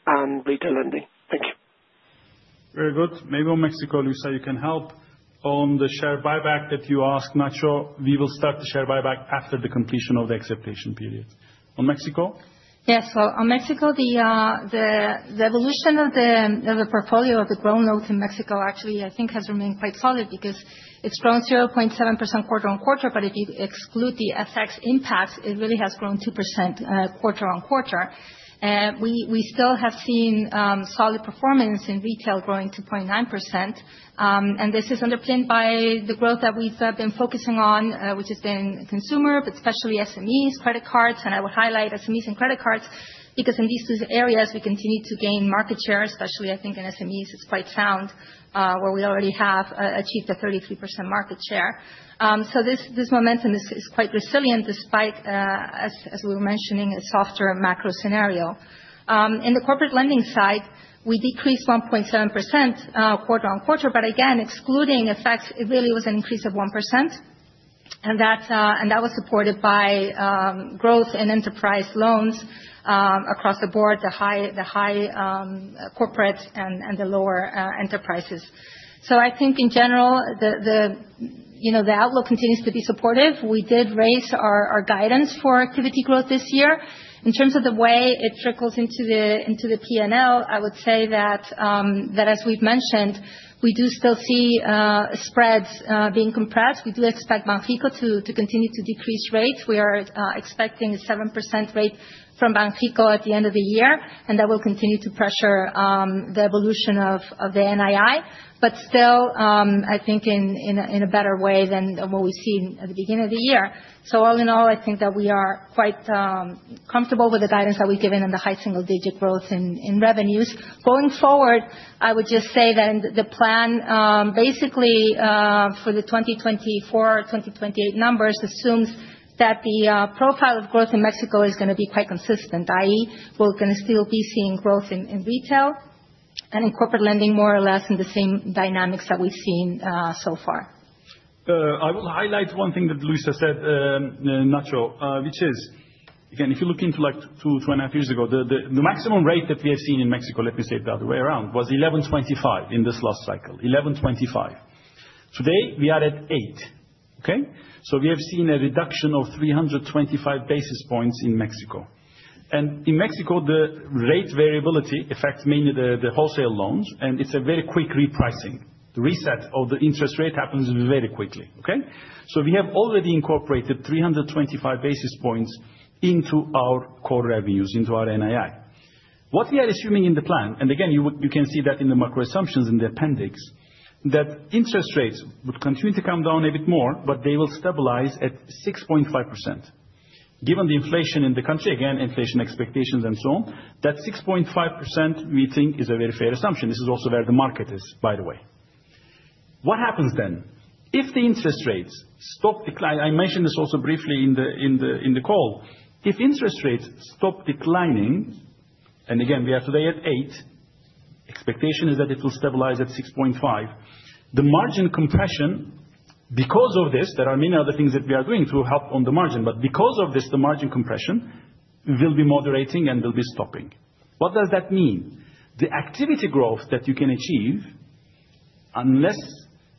and retail lending? Thank you. Very good. Maybe on Mexico, Luisa, you can help. On the share buyback that you asked—not sure. We will start the share buyback after the completion of the acceptation period. On Mexico? Yes. On Mexico,—the evolution of the portfolio of the growth note in Mexico, actually, I think, has remained quite solid because it's grown 0.7% quarter-on-quarter, but if you exclude the FX impacts, it really has grown 2% quarter-on-quarter. We still have seen solid performance in retail growing 2.9%. This is underpinned by the growth that we've been focusing on, which has been consumer, but especially SMEs, credit cards. I would highlight SMEs and credit cards because in these two areas, we continue to gain market share, especially, I think, in SMEs. It's quite sound, where we already have achieved a 33% market share. This momentum is quite resilient despite, as we were mentioning, a softer macro scenario. In the corporate-lending side, we decreased 1.7% quarter-on-quarter, but again, excluding FX, it really was an increase of 1%. That was supported by growth in enterprise loans across the board, the high corporate and the lower enterprises. I think, in general, the outlook continues to be supportive. We did raise our guidance for activity growth this year. In terms of the way it trickles into the P&L, I would say that as we've mentioned, we do still see spreads being compressed. We do expect Banxico to continue to decrease rates. We are expecting a 7% rate from Banxico at the end of the year, and that will continue to pressure the evolution of the NII, but still, I think, in a better way than what we see at the beginning of the year. All in all, I think that we are quite comfortable with the guidance that we've given and the high- single-digit growth in revenues. Going forward, I would just say that the plan, basically, for the 2024, 2028 numbers assumes that the profile of growth in Mexico is going to be quite consistent—i.e., we're going to still be seeing growth in retail and in corporate lending, more or less, in the same dynamics that we've seen so far. I will highlight one thing that Luisa said, Nacho, which is, again, if you look into like two, two and a half years ago, the maximum rate that we have seen in Mexico—let me say it the other way around—was 11.25% in this last cycle, 11.25%. Today, we are at 8%. Okay? We have seen a reduction of 325 basis points in Mexico. In Mexico, the rate variability affects mainly the wholesale loans, and it's a very quick repricing. The reset of the interest rate happens very quickly. Okay? We have already incorporated 325 basis points into our core revenues, into our NII. What we are assuming in the plan, and again, you can see that in the macro assumptions in the appendix, is that interest rates would continue to come down a bit more, but they will stabilize at 6.5%. Given the inflation in the country, again, inflation expectations and so on, that 6.5% we think is a very fair assumption. This is also where the market is, by the way. What happens then? If the interest rates stop declining, I mentioned this also briefly in the call, if interest rates stop declining, and again, we are today at 8%. Expectation is that it will stabilize at 6.5%. The margin compression, because of this (there are many other things that we are doing to help on the margin)—but because of this, the margin compression will be moderating and will be stopping. What does that mean? The activity growth that you can achieve, unless,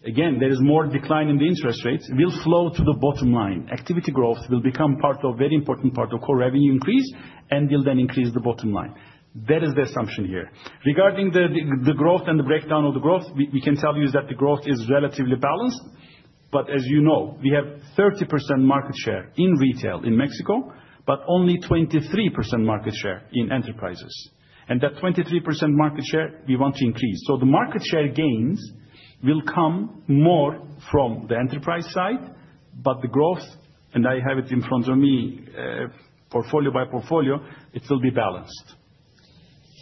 again, there is more decline in the interest rates, will flow to the bottom line. Activity growth will become part of a very important part of core-revenue increase and will then increase the bottom line. That is the assumption here. Regarding the growth and the breakdown of the growth, we can tell you that the growth is relatively balanced. But as you know, we have 30% market share in retail in Mexico, but only 23% market share in enterprises. That 23% market share, we want to increase. The market-share gains will come more from the enterprise side, but the growth, and I have it in front of me, portfolio by portfolio, it will be balanced.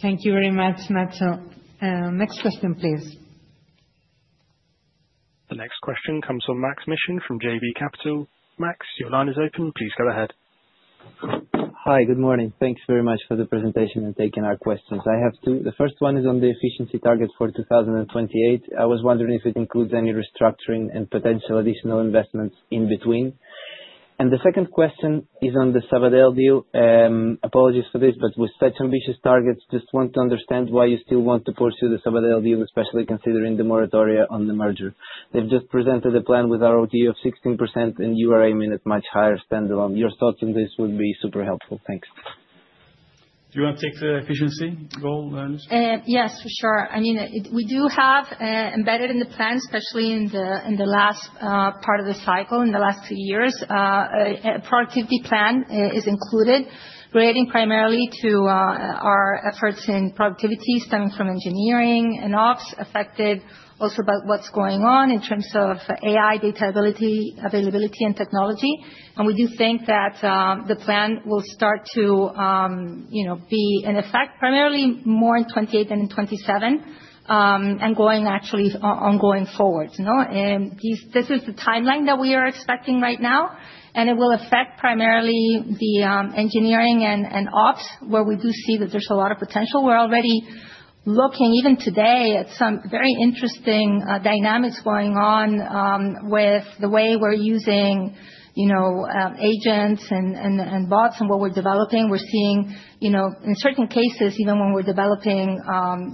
Thank you very much, Nacho. Next question, please. The next question comes from Maksym Mishyn from JB Capital. Maks, your line is open. Please go ahead. Hi, good morning. Thanks very much for the presentation and taking our questions. I have two. The first one is on the efficiency target for 2028. I was wondering if it includes any restructuring and potential additional investments in between. The second question is on the Sabadell deal—apologies for this—but with such ambitious targets, just want to understand why you still want to pursue the Sabadell deal, especially considering the moratoria on the merger. They have just presented a plan with ROTE of 16%, and you are aiming at much higher standalone. Your thoughts on this would be super helpful. Thanks. Do you want to take the efficiency goal? Yes, for sure. I mean, we do have embedded in the plan, especially in the last part of the cycle, in the last two years, a productivity plan is included, relating primarily to our efforts in productivity stemming from engineering and ops, affected also by what's going on in terms of AI, data availability, and technology. We do think that the plan will start to be in effect primarily more in 2028 than in 2027, and going actually ongoing forward. This is the timeline that we are expecting right now, and it will affect primarily the engineering and ops, where we do see that there's a lot of potential. We're already looking, even today, at some very interesting dynamics going on with the way we're using agents and bots and what we're developing. We're seeing, in certain cases, even when we're developing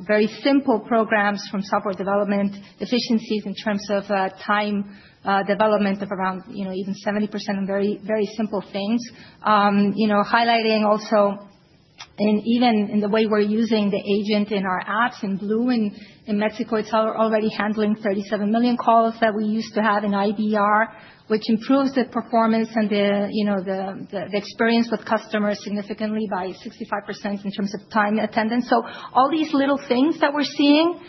very simple programs from software development, efficiencies in terms of time development of around even 70% on very simple things, highlighting also, even in the way we're using the agent in our apps in Blue and in Mexico, it's already handling 37 million calls that we used to have in IVR, which improves the performance and the experience with customers significantly by 65% in terms of time attendance. All these little things that we're seeing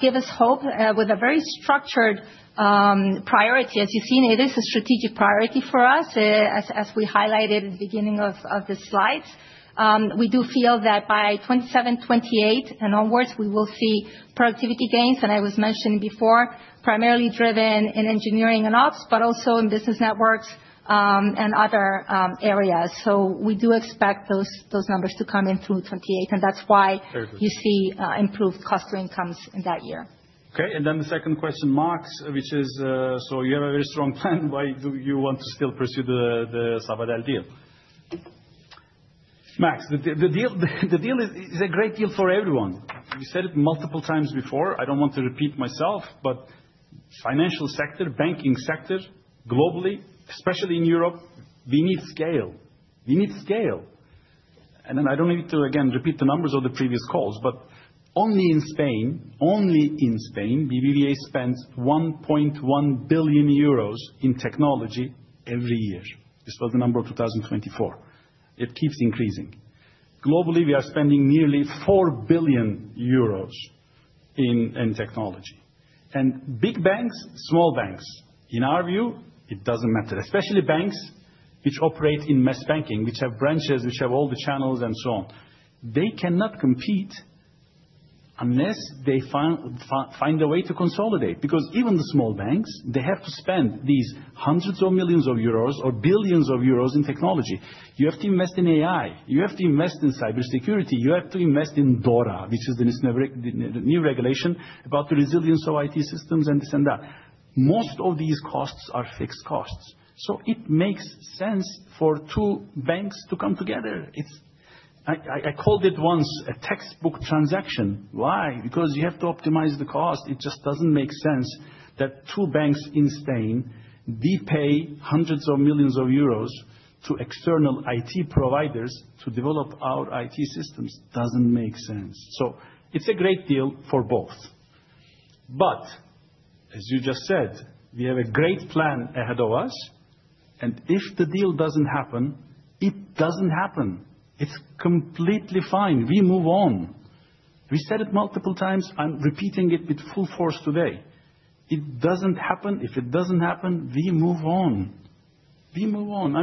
give us hope with a very structured priority. As you've seen, it is a strategic priority for us, as we highlighted at the beginning of the slides. We do feel that by 2027, 2028, and onwards, we will see productivity gains, and I was mentioning before, primarily driven in engineering and ops, but also in business networks and other areas. We do expect those numbers to come in through 2028, and that's why you see improved cost-to-income in that year. Okay. The second question, Maks, which is: you have a very strong plan; why do you want to still pursue the Sabadell deal? [voice shift observed] Maks, the deal is a great deal for everyone. You said it multiple times before. I don't want to repeat myself, but financial sector, banking sector—globally, especially in Europe, we need scale. We need scale. I don't need to, again, repeat the numbers of the previous calls, but only in Spain—only in Spain, BBVA spends 1.1 billion euros in technology every year. This was the number of 2024. It keeps increasing. Globally, we are spending nearly 4 billion euros in technology. Big banks, small banks, in our view, it doesn't matter. Especially banks which operate in mass banking, which have branches, which have all the channels and so on, they cannot compete unless they find a way to consolidate. Because even the small banks, they have to spend these hundreds of millions of euros or billions of euros in technology. You have to invest in AI. You have to invest in cybersecurity. You have to invest in DORA—which is the new regulation about the resilience of IT systems and this and that. Most of these costs are fixed costs. It makes sense for two banks to come together. I called it once a textbook transaction. Why? Because you have to optimize the cost. It just doesn't make sense that two banks in Spain pay hundreds of millions of euros to external IT providers to develop our IT systems. Doesn't make sense. It's a great deal for both. As you just said, we have a great plan ahead of us, and if the deal doesn't happen, it doesn't happen. It's completely fine. We move on. We said it multiple times. I'm repeating it with full force today. It doesn't happen. If it doesn't happen, we move on. We move on.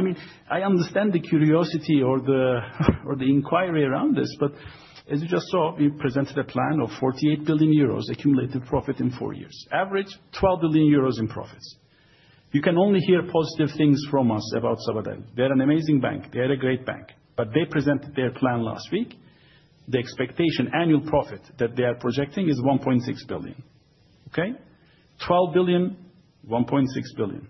I understand the curiosity or the inquiry around this, but as you just saw, we presented a plan of 48 billion euros accumulated profit in four years—average 12 billion euros in profits. You can only hear positive things from us about Sabadell. They're an amazing bank. They're a great bank. They presented their plan last week. The expectation annual profit that they are projecting is 1.6 billion. Okay? 12 billion, 1.6 billion.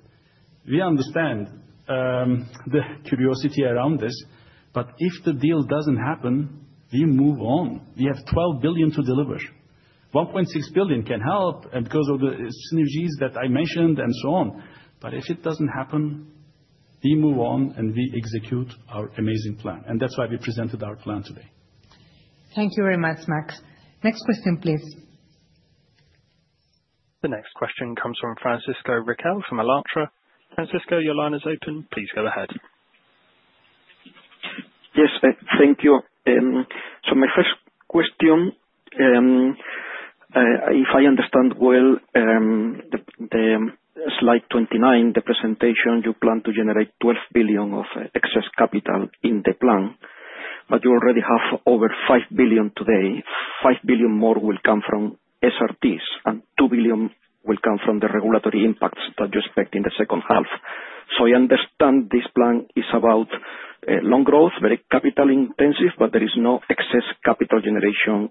We understand the curiosity around this, but if the deal doesn't happen, we move on. We have 12 billion to deliver. 1.6 billion can help because of the synergies that I mentioned and so on. If it doesn't happen, we move on and we execute our amazing plan. That's why we presented our plan today. Thank you very much, Maks. Next question, please. The next question comes from Francisco Riquel Correa from Alantra. Francisco, your line is open. Please go ahead. Yes, thank you. My first question —if I understand well, the slide 29, the presentation you plan to generate 12 billion of excess capital in the plan. You already have over 5 billion today; 5 billion more will come from SRTs, and 2 billion will come from the regulatory impacts that you expect in the second half. I understand this plan is about loan growth—very capital-intensive, but there is no excess-capital generation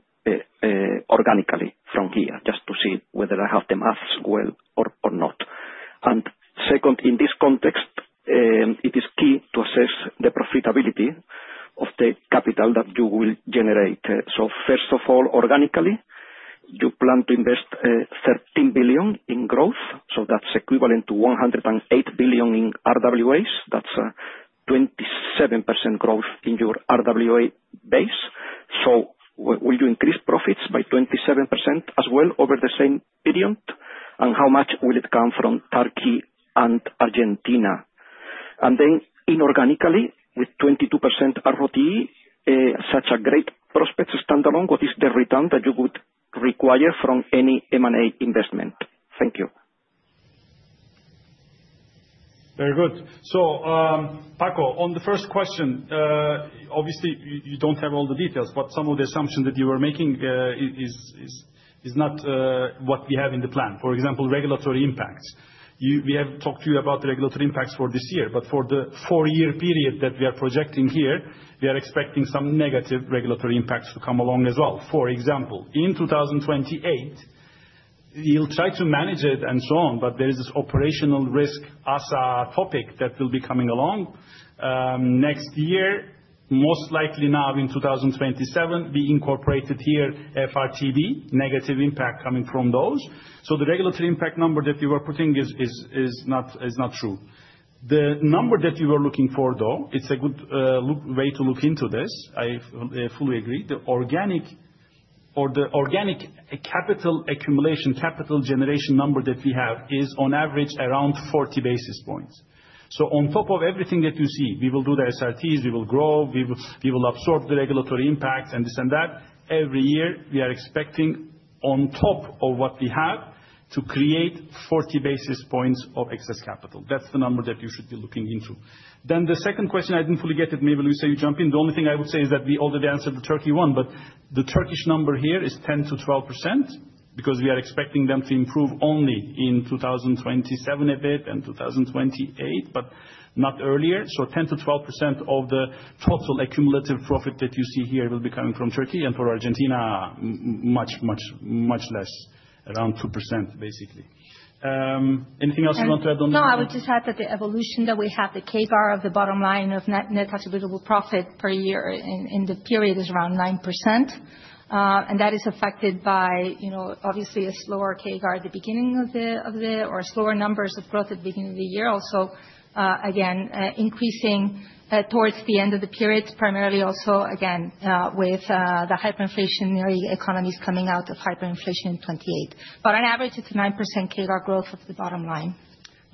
organically from here, just to see whether I have the maths well or not. Second, in this context, it is key to assess the profitability of the capital that you will generate. First of all, organically, you plan to invest 13 billion in growth. That's equivalent to 108 billion in RWAs—that's a 27% growth in your RWA base. Will you increase profits by 27% as well over the same period? How much will it come from Turkey and Argentina? Inorganically, with 22% ROTE, such a great prospect standalone—what is the return that you would require from any M&A investment? Thank you. Very good. Paco—on the first question. Obviously, you don't have all the details, but some of the assumptions that you were making is not what we have in the plan. For example, regulatory impacts. We have talked to you about the regulatory impacts for this year, but for the four-year period that we are projecting here, we are expecting some negative regulatory impacts to come along as well—for example, in 2028. you'll try to manage it and so on, but there is this operational risk as a topic that will be coming along. Next year, most likely now in 2027, we incorporated here FRTB, negative impact coming from those. The regulatory-impact number that you were putting is not true. The number that you were looking for, though, it's a good way to look into this. I fully agree. The organic capital accumulation, capital generation number that we have is on average around 40 basis points. On top of everything that you see, we will do the SRTs; we will grow, we will absorb the regulatory impacts, and this and that. Every year, we are expecting, on top of what we have, to create 40 basis points of excess capital. That's the number that you should be looking into. The second question—I didn't fully get it. Maybe Luisa, you jump in. The only thing I would say is that we already answered the Turkey one, but the Turkish number here is 10% to 12% because we are expecting them to improve only in 2027 a bit and 2028, but not earlier. So 10% to 12% of the total accumulative profit that you see here will be coming from Turkey. For Argentina—much, much, much less, around 2%, basically. Anything else you want to add on that? - [overlapping] No, I would just add that the evolution that we have, the CAGR of the bottom line of net-attributable profit per year in the period is around 9%. That is affected by, obviously, a slower CAGR at the beginning of the, or slower numbers of growth at the beginning of the year. Also, again, increasing towards the end of the period, primarily also, again, with the hyperinflationary economies coming out of hyperinflation in 2028. On average, it's a 9% CAGR growth of the bottom line.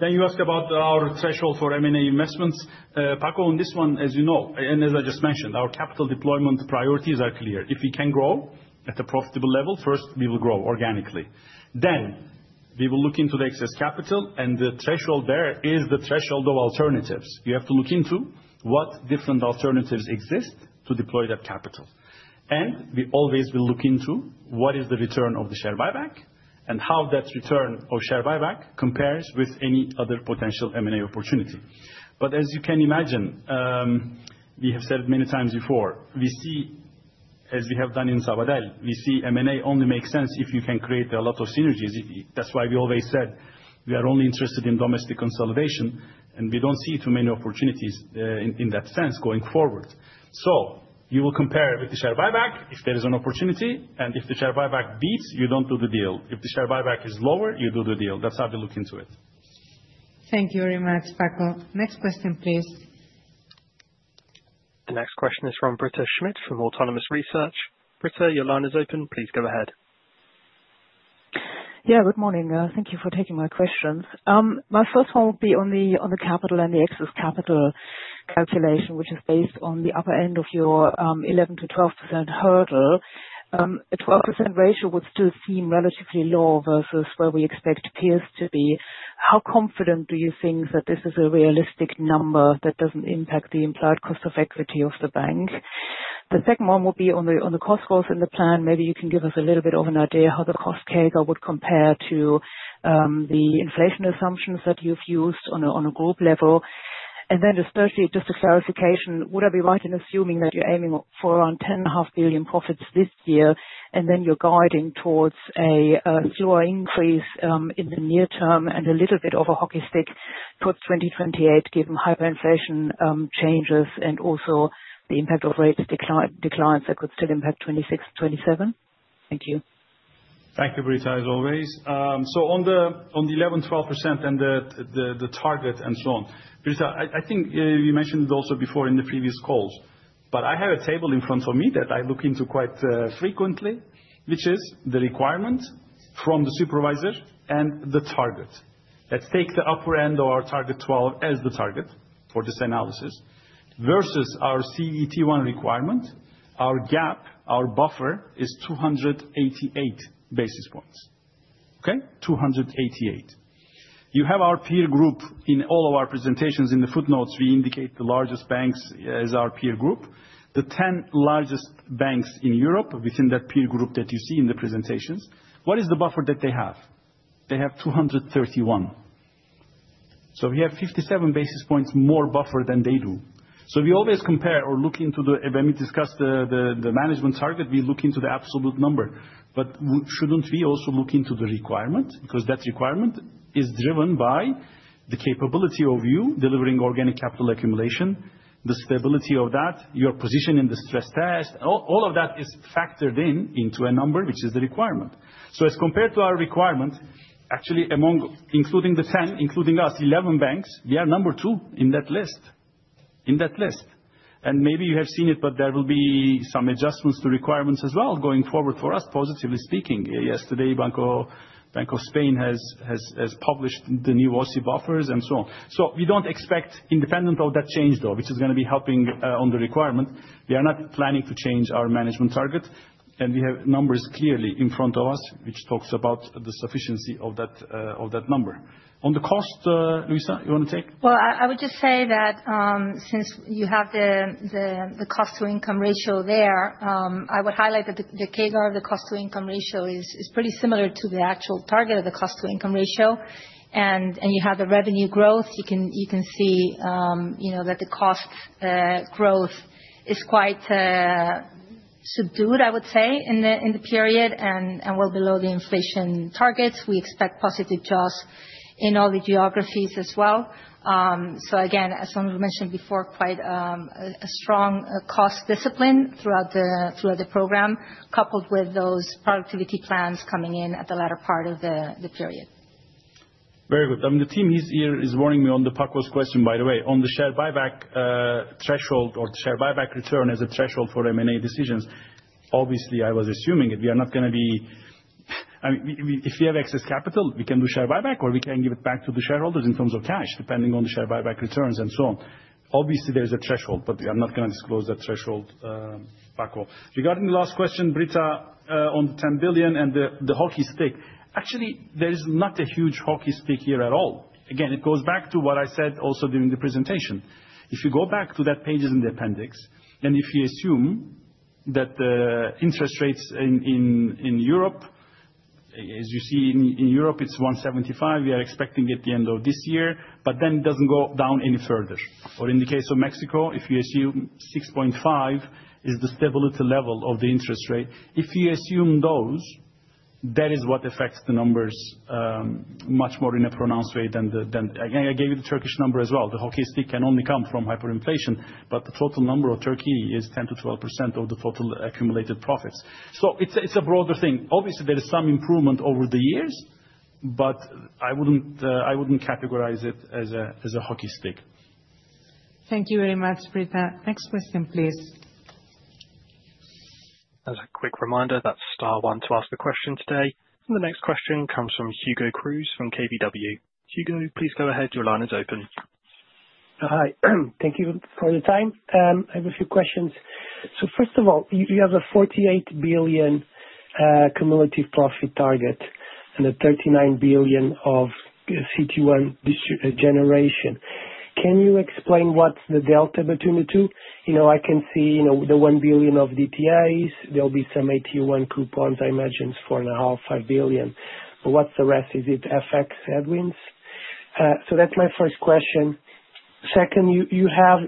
You asked about our threshold for M&A investments. Paco, on this one, as you know, and as I just mentioned, our capital deployment priorities are clear. If we can grow at a profitable level, first, we will grow organically. We will look into the excess capital, and the threshold there is the threshold of alternatives. You have to look into what different alternatives exist to deploy that capital. We always will look into what is the return of the share buyback and how that return of share buyback compares with any other potential M&A opportunity. As you can imagine, we have said it many times before, we see, as we have done in Sabadell, we see M&A only makes sense if you can create a lot of synergies. That's why we always said we are only interested in domestic consolidation, and we don't see too many opportunities in that sense going forward. You will compare with the share buyback if there is an opportunity, and if the share buyback beats, you don't do the deal. If the share buyback is lower, you do the deal. That's how we look into it. Thank you very much, Paco. Next question, please. The next question is from Britta Schmidt from Autonomous Research. Britta, your line is open. Please go ahead. Yeah, good morning. Thank you for taking my questions. My first one would be on the capital and the excess-capital calculation, which is based on the upper end of your 11 to 12% hurdle. A 12% ratio would still seem relatively low versus where we expect peers to be. How confident do you think that this is a realistic number that doesn't impact the implied cost of equity of the bank? The second one would be on the cost goals in the plan. Maybe you can give us a little bit of an idea how the cost CAGR would compare to the inflation assumptions that you've used on a group level. Especially just a clarification, would I be right in assuming that you're aiming for around 10.5 billion profits this year, and then you're guiding towards a slower increase in the near term and a little bit of a hockey stick towards 2028, given hyperinflation changes and also the impact of rate declines that could still impact 2026, 2027? Thank you. Thank you, Britta, as always. On the 11, 12% and the target and so on, Britta, I think you mentioned it also before in the previous calls, but I have a table in front of me that I look into quite frequently, which is the requirement from the supervisor. The target. Let's take the upper end of our target, 12%, as the target for this analysis. Versus our CET1 requirement, our gap, our buffer is 288 basis points. Okay? 288. You have our peer group—in all of our presentations, in the footnotes, we indicate the largest banks as our peer group. The 10 largest banks in Europe within that peer group that you see in the presentations, what is the buffer that they have? They have 231. We have 57 basis points more buffer than they do. We always compare or look into the—when we discuss the management target, we look into the absolute number. Shouldn't we also look into the requirement? That requirement is driven by the capability of you delivering organic capital accumulation, the stability of that, your position in the stress test. All of that is factored in into a number, which is the requirement. As compared to our requirement, actually—among, including the 10, including us, 11 banks—we are number two in that list. In that list. Maybe you have seen it, but there will be some adjustments to requirements as well going forward for us, positively speaking. Yesterday, Banco Spain has published the new OCI buffers and so on. We don't expect, independent of that change though, which is going to be helping on the requirement, we are not planning to change our management target. We have numbers clearly in front of us, which talks about the sufficiency of that number. On the cost, Luisa, you want to take? Since you have the cost-to-income ratio there, I would highlight that the CAGR, the cost-to-income ratio, is pretty similar to the actual target of the cost-to-income ratio. You have the revenue growth. You can see that the cost growth is quite subdued, I would say, in the period and well below the inflation targets. We expect positive jobs in all the geographies as well. As some of you mentioned before, quite a strong cost discipline throughout the program, coupled with those productivity plans coming in at the latter part of the period. Very good. I mean, the team here is warning me on the Paco's question, by the way. On the share- buyback threshold, or the share-buyback return as a threshold for M&A decisions, obviously I was assuming it. We are not going to be, I mean—if we have excess capital, we can do share-buyback or we can give it back to the shareholders in terms of cash, depending on the share-buyback returns and so on. Obviously, there is a threshold, but I'm not going to disclose that threshold, Paco. Regarding the last question, Britta, on the 10 billion and the hockey stick, actually there is not a huge hockey stick here at all. Again, it goes back to what I said also during the presentation. If you go back to that page in the appendix, and if you assume that the interest rates in Europe, as you see in Europe, it's 1.75%, we are expecting at the end of this year, but then it doesn't go down any further. In the case of Mexico, if you assume 6.5% is the stability level of the interest rate—if you assume those—that is what affects the numbers much more in a pronounced way than the... again, I gave you the Turkish number as well. The hockey stick can only come from hyperinflation, but the total number of Turkey is 10 to 12% of the total accumulated profits. It is a broader thing. Obviously, there is some improvement over the years, but I wouldn't categorize it as a hockey stick. Thank you very much, Britta. Next question, please. As a quick reminder, that's star one to ask a question today. The next question comes from Hugo Moniz Marques Da Cruz from KBW. Hugo, please go ahead. Your line is open. Hi. Thank you for the time. I have a few questions. First of all, you have a 48 billion cumulative profit target and a 39 billion of CET1 generation. Can you explain what's the delta between the two? I can see the 1 billion of DTAs; there'll be some AT1 coupons—I imagine it's 4.5 billion, 5 billion. What's the rest? Is it FX headwinds? That's my first question. You have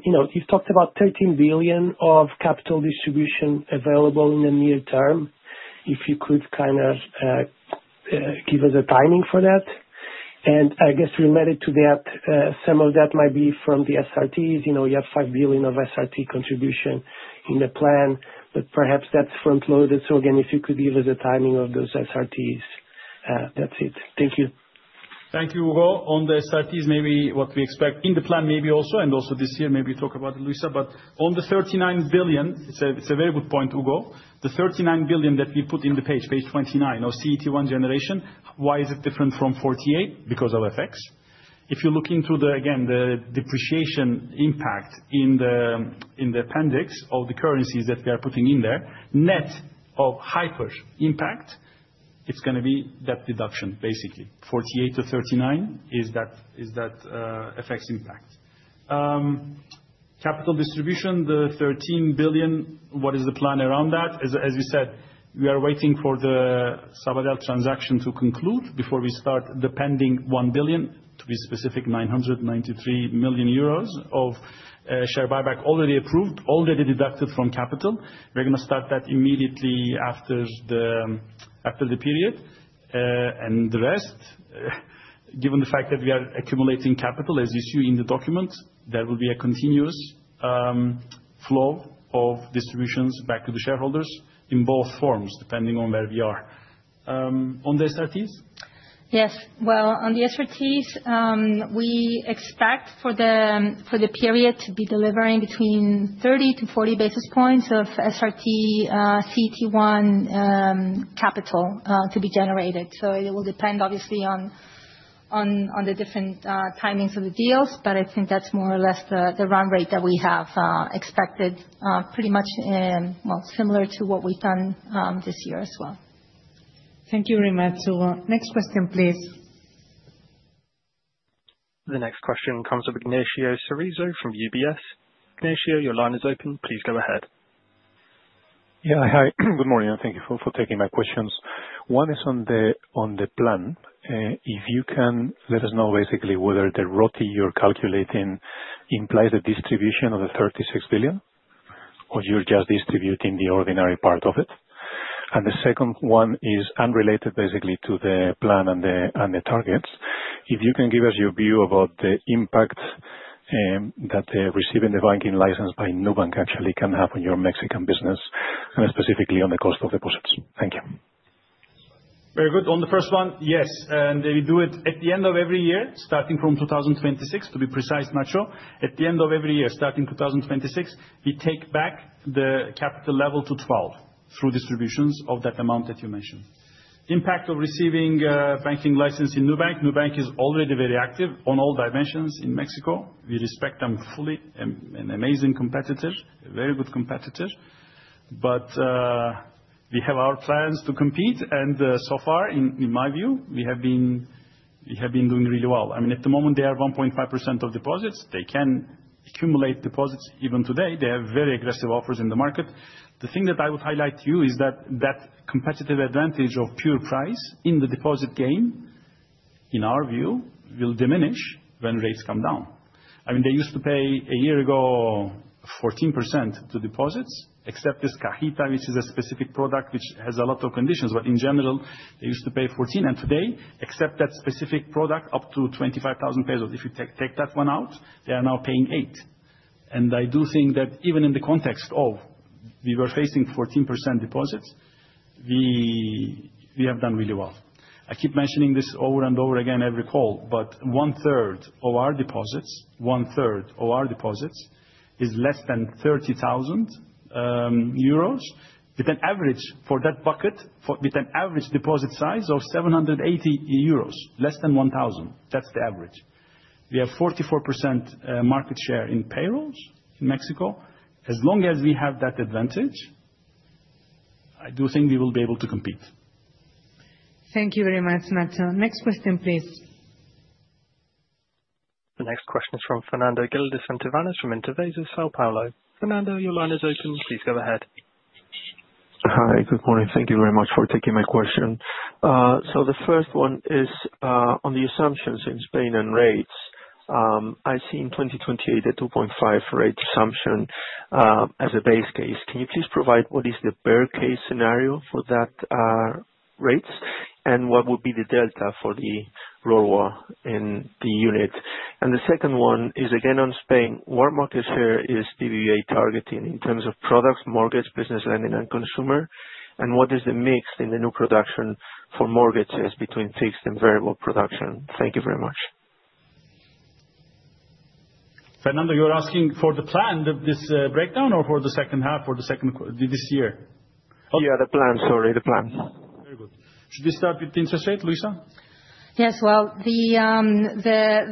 talked about 13 billion of capital distribution available in the near term. If you could give us a timing for that? I guess related to that—some of that might be from the SRTs. You have 5 billion of SRT contribution in the plan, but perhaps that's front-loaded. If you could give us a timing of those SRTs? That's it. Thank you. Thank you, Hugo. On the SRTs, maybe what we expect in the plan, maybe also this year—maybe talk about it, Luisa. On the 39 billion, it's a very good point, Hugo. The 39 billion that we put in the page, page 29, or CET1 generation—why is it different from 48 billion? Because of FX. If you look into the depreciation impact in the appendix of the currencies that we are putting in there, net of hyper-impact—it's going to be that deduction, basically. 48 billion to 39 billion is that FX impact. Capital distribution, the 13 billion—what is the plan around that? As you said, we are waiting for the Sabadell transaction to conclude before we start the pending 1 billion, to be specific, 993 million euros of share-buyback already approved, already deducted from capital. We are going to start that immediately after the period. The rest—given the fact that we are accumulating capital, as you see in the document, there will be a continuous flow of distributions back to the shareholders in both forms, depending on where we are. On the SRTs? Yes. On the SRTs, we expect for the period to be delivering between 30 to 40 basis points of SRT-CET1 capital to be generated. It will depend, obviously, on the different timings of the deals, but I think that's more or less the run rate that we have expected, pretty much similar to what we've done this year as well. Thank you very much, Hugo. Next question, please. The next question comes from Ignacio Cerezo from UBS. Ignacio, your line is open. Please go ahead. Yeah, hi. Good morning. Thank you for taking my questions. One is on the plan—if you can let us know, basically, whether the ROTE you're calculating implies the distribution of the 36 billion, or you're just distributing the ordinary part of it. The second one is unrelated basically to the plan and the targets. If you can give us your view about the impact that receiving the banking license by Nubank actually can have on your Mexican business, and specifically on the cost of deposits. Thank you. Very good. On the first one, yes. We do it at the end of every year, starting from 2026, to be precise, Nacho. At the end of every year, starting 2026, we take back the capital level to 12% through distributions of that amount that you mentioned. Impact of receiving banking license in Nubank, Nubank is already very active on all dimensions in Mexico. We respect them fully—an amazing competitor, very good competitor. We have our plans to compete. So far, in my view, we have been doing really well. At the moment, they are 1.5% of deposits. They can accumulate deposits even today. They have very aggressive offers in the market. The thing that I would highlight to you is that that competitive advantage of pure price in the deposit-game, in our view, will diminish when rates come down. They used to pay—a year ago—14% to deposits, except this Cajita, which is a specific product which has a lot of conditions. In general, they used to pay 14%. Today, except that specific product up to MXN 25,000—if you take that one out, they are now paying 8%. I do think that even in the context of we were facing 14% deposits, we have done really well. I keep mentioning this over and over again every call—but one-third of our deposits, one-third of our deposits, is less than 30,000 euros, with an average for that bucket, with an average deposit size of 780 euros, less than 1,000. That's the average. We have 44% market share in payrolls in Mexico. As long as we have that advantage, I do think we will be able to compete. Thank you very much, Nacho. Next question, please. The next question is from Fernando Gil de Santivañes d'Ornellas from Interbasis, São Paulo. Fernando, your line is open. Please go ahead. Hi. Good morning. Thank you very much for taking my question. The first one is on the assumptions in Spain on rates. I see in 2028 a 2.5% rate assumption as a base case. Can you please provide what is the bear-case scenario for that rate and what would be the delta for the RORWA in the unit? The second one is again on Spain. What market share is BBVA targeting in terms of products, mortgage, business lending, and consumer? What is the mix in the new production for mortgages between fixed and variable production? Thank you very much. Fernando, you're asking for the plan of this breakdown or for the second half or the second this year? Yeah, the plan. Sorry, the plan. Very good. Should we start with the interest rate, Luisa? Yes.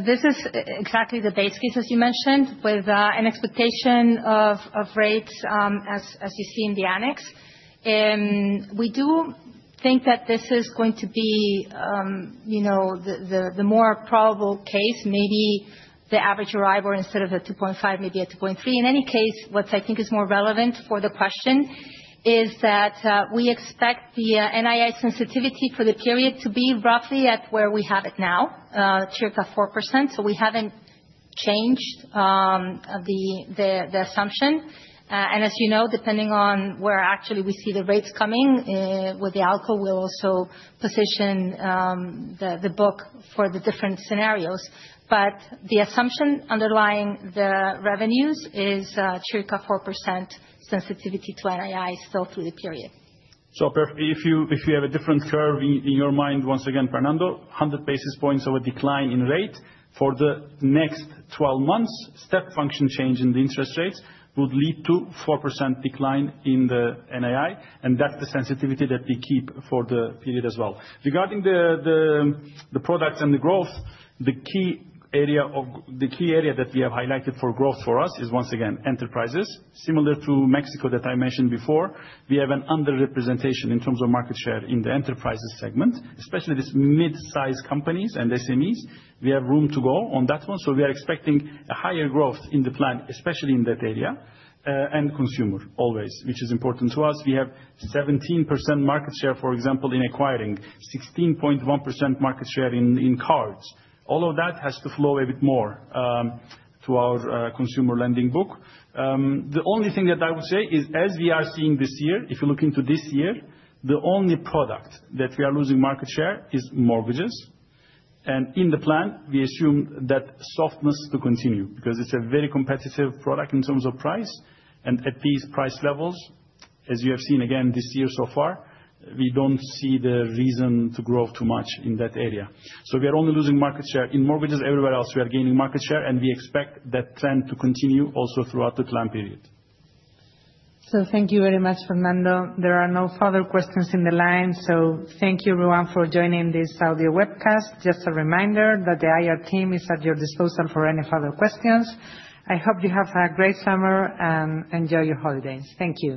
This is exactly the base case, as you mentioned, with an expectation of rates as you see in the annex. We do think that this is going to be the more probable case, maybe the average arrival instead of a 2.5%, maybe a 2.3%. In any case, what I think is more relevant for the question is that we expect the NII sensitivity for the period to be roughly at where we have it now, tiered at 4%. We haven't changed the assumption. As you know, depending on where actually we see the rates coming with the ALCO, we'll also position the book for the different scenarios. The assumption underlying the revenues is tiered at 4% sensitivity to NII still through the period. If you have a different curve in your mind, once again, Fernando, 100 basis points of a decline in rate for the next 12 months—step-function change in the interest rates would lead to a 4% decline in the NII. That's the sensitivity that we keep for the period as well. Regarding the products and the growth, the key area that we have highlighted for growth for us is, once again enterprises. Similar to Mexico, that I mentioned before, we have an underrepresentation in terms of market share in the enterprises segment, especially these mid-sized companies and SMEs. We have room to go on that one. We are expecting a higher growth in the plan, especially in that area, and consumer always, which is important to us. We have 17% market share, for example, in acquiring, 16.1% market share in cards. All of that has to flow a bit more to our consumer-lending book. The only thing that I would say is, as we are seeing this year, if you look into this year, the only product that we are losing market share is mortgages. In the plan, we assume that softness to continue because it's a very competitive product in terms of price. At these price levels, as you have seen again this year so far, we don't see the reason to grow too much in that area. We are only losing market share in mortgages. Everywhere else, we are gaining market share, and we expect that trend to continue also throughout the plan period. Thank you very much, Fernando. There are no further questions in the line. Thank you everyone for joining this audio webcast. Just a reminder that the IR team is at your disposal for any further questions. I hope you have a great summer and enjoy your holidays. Thank you.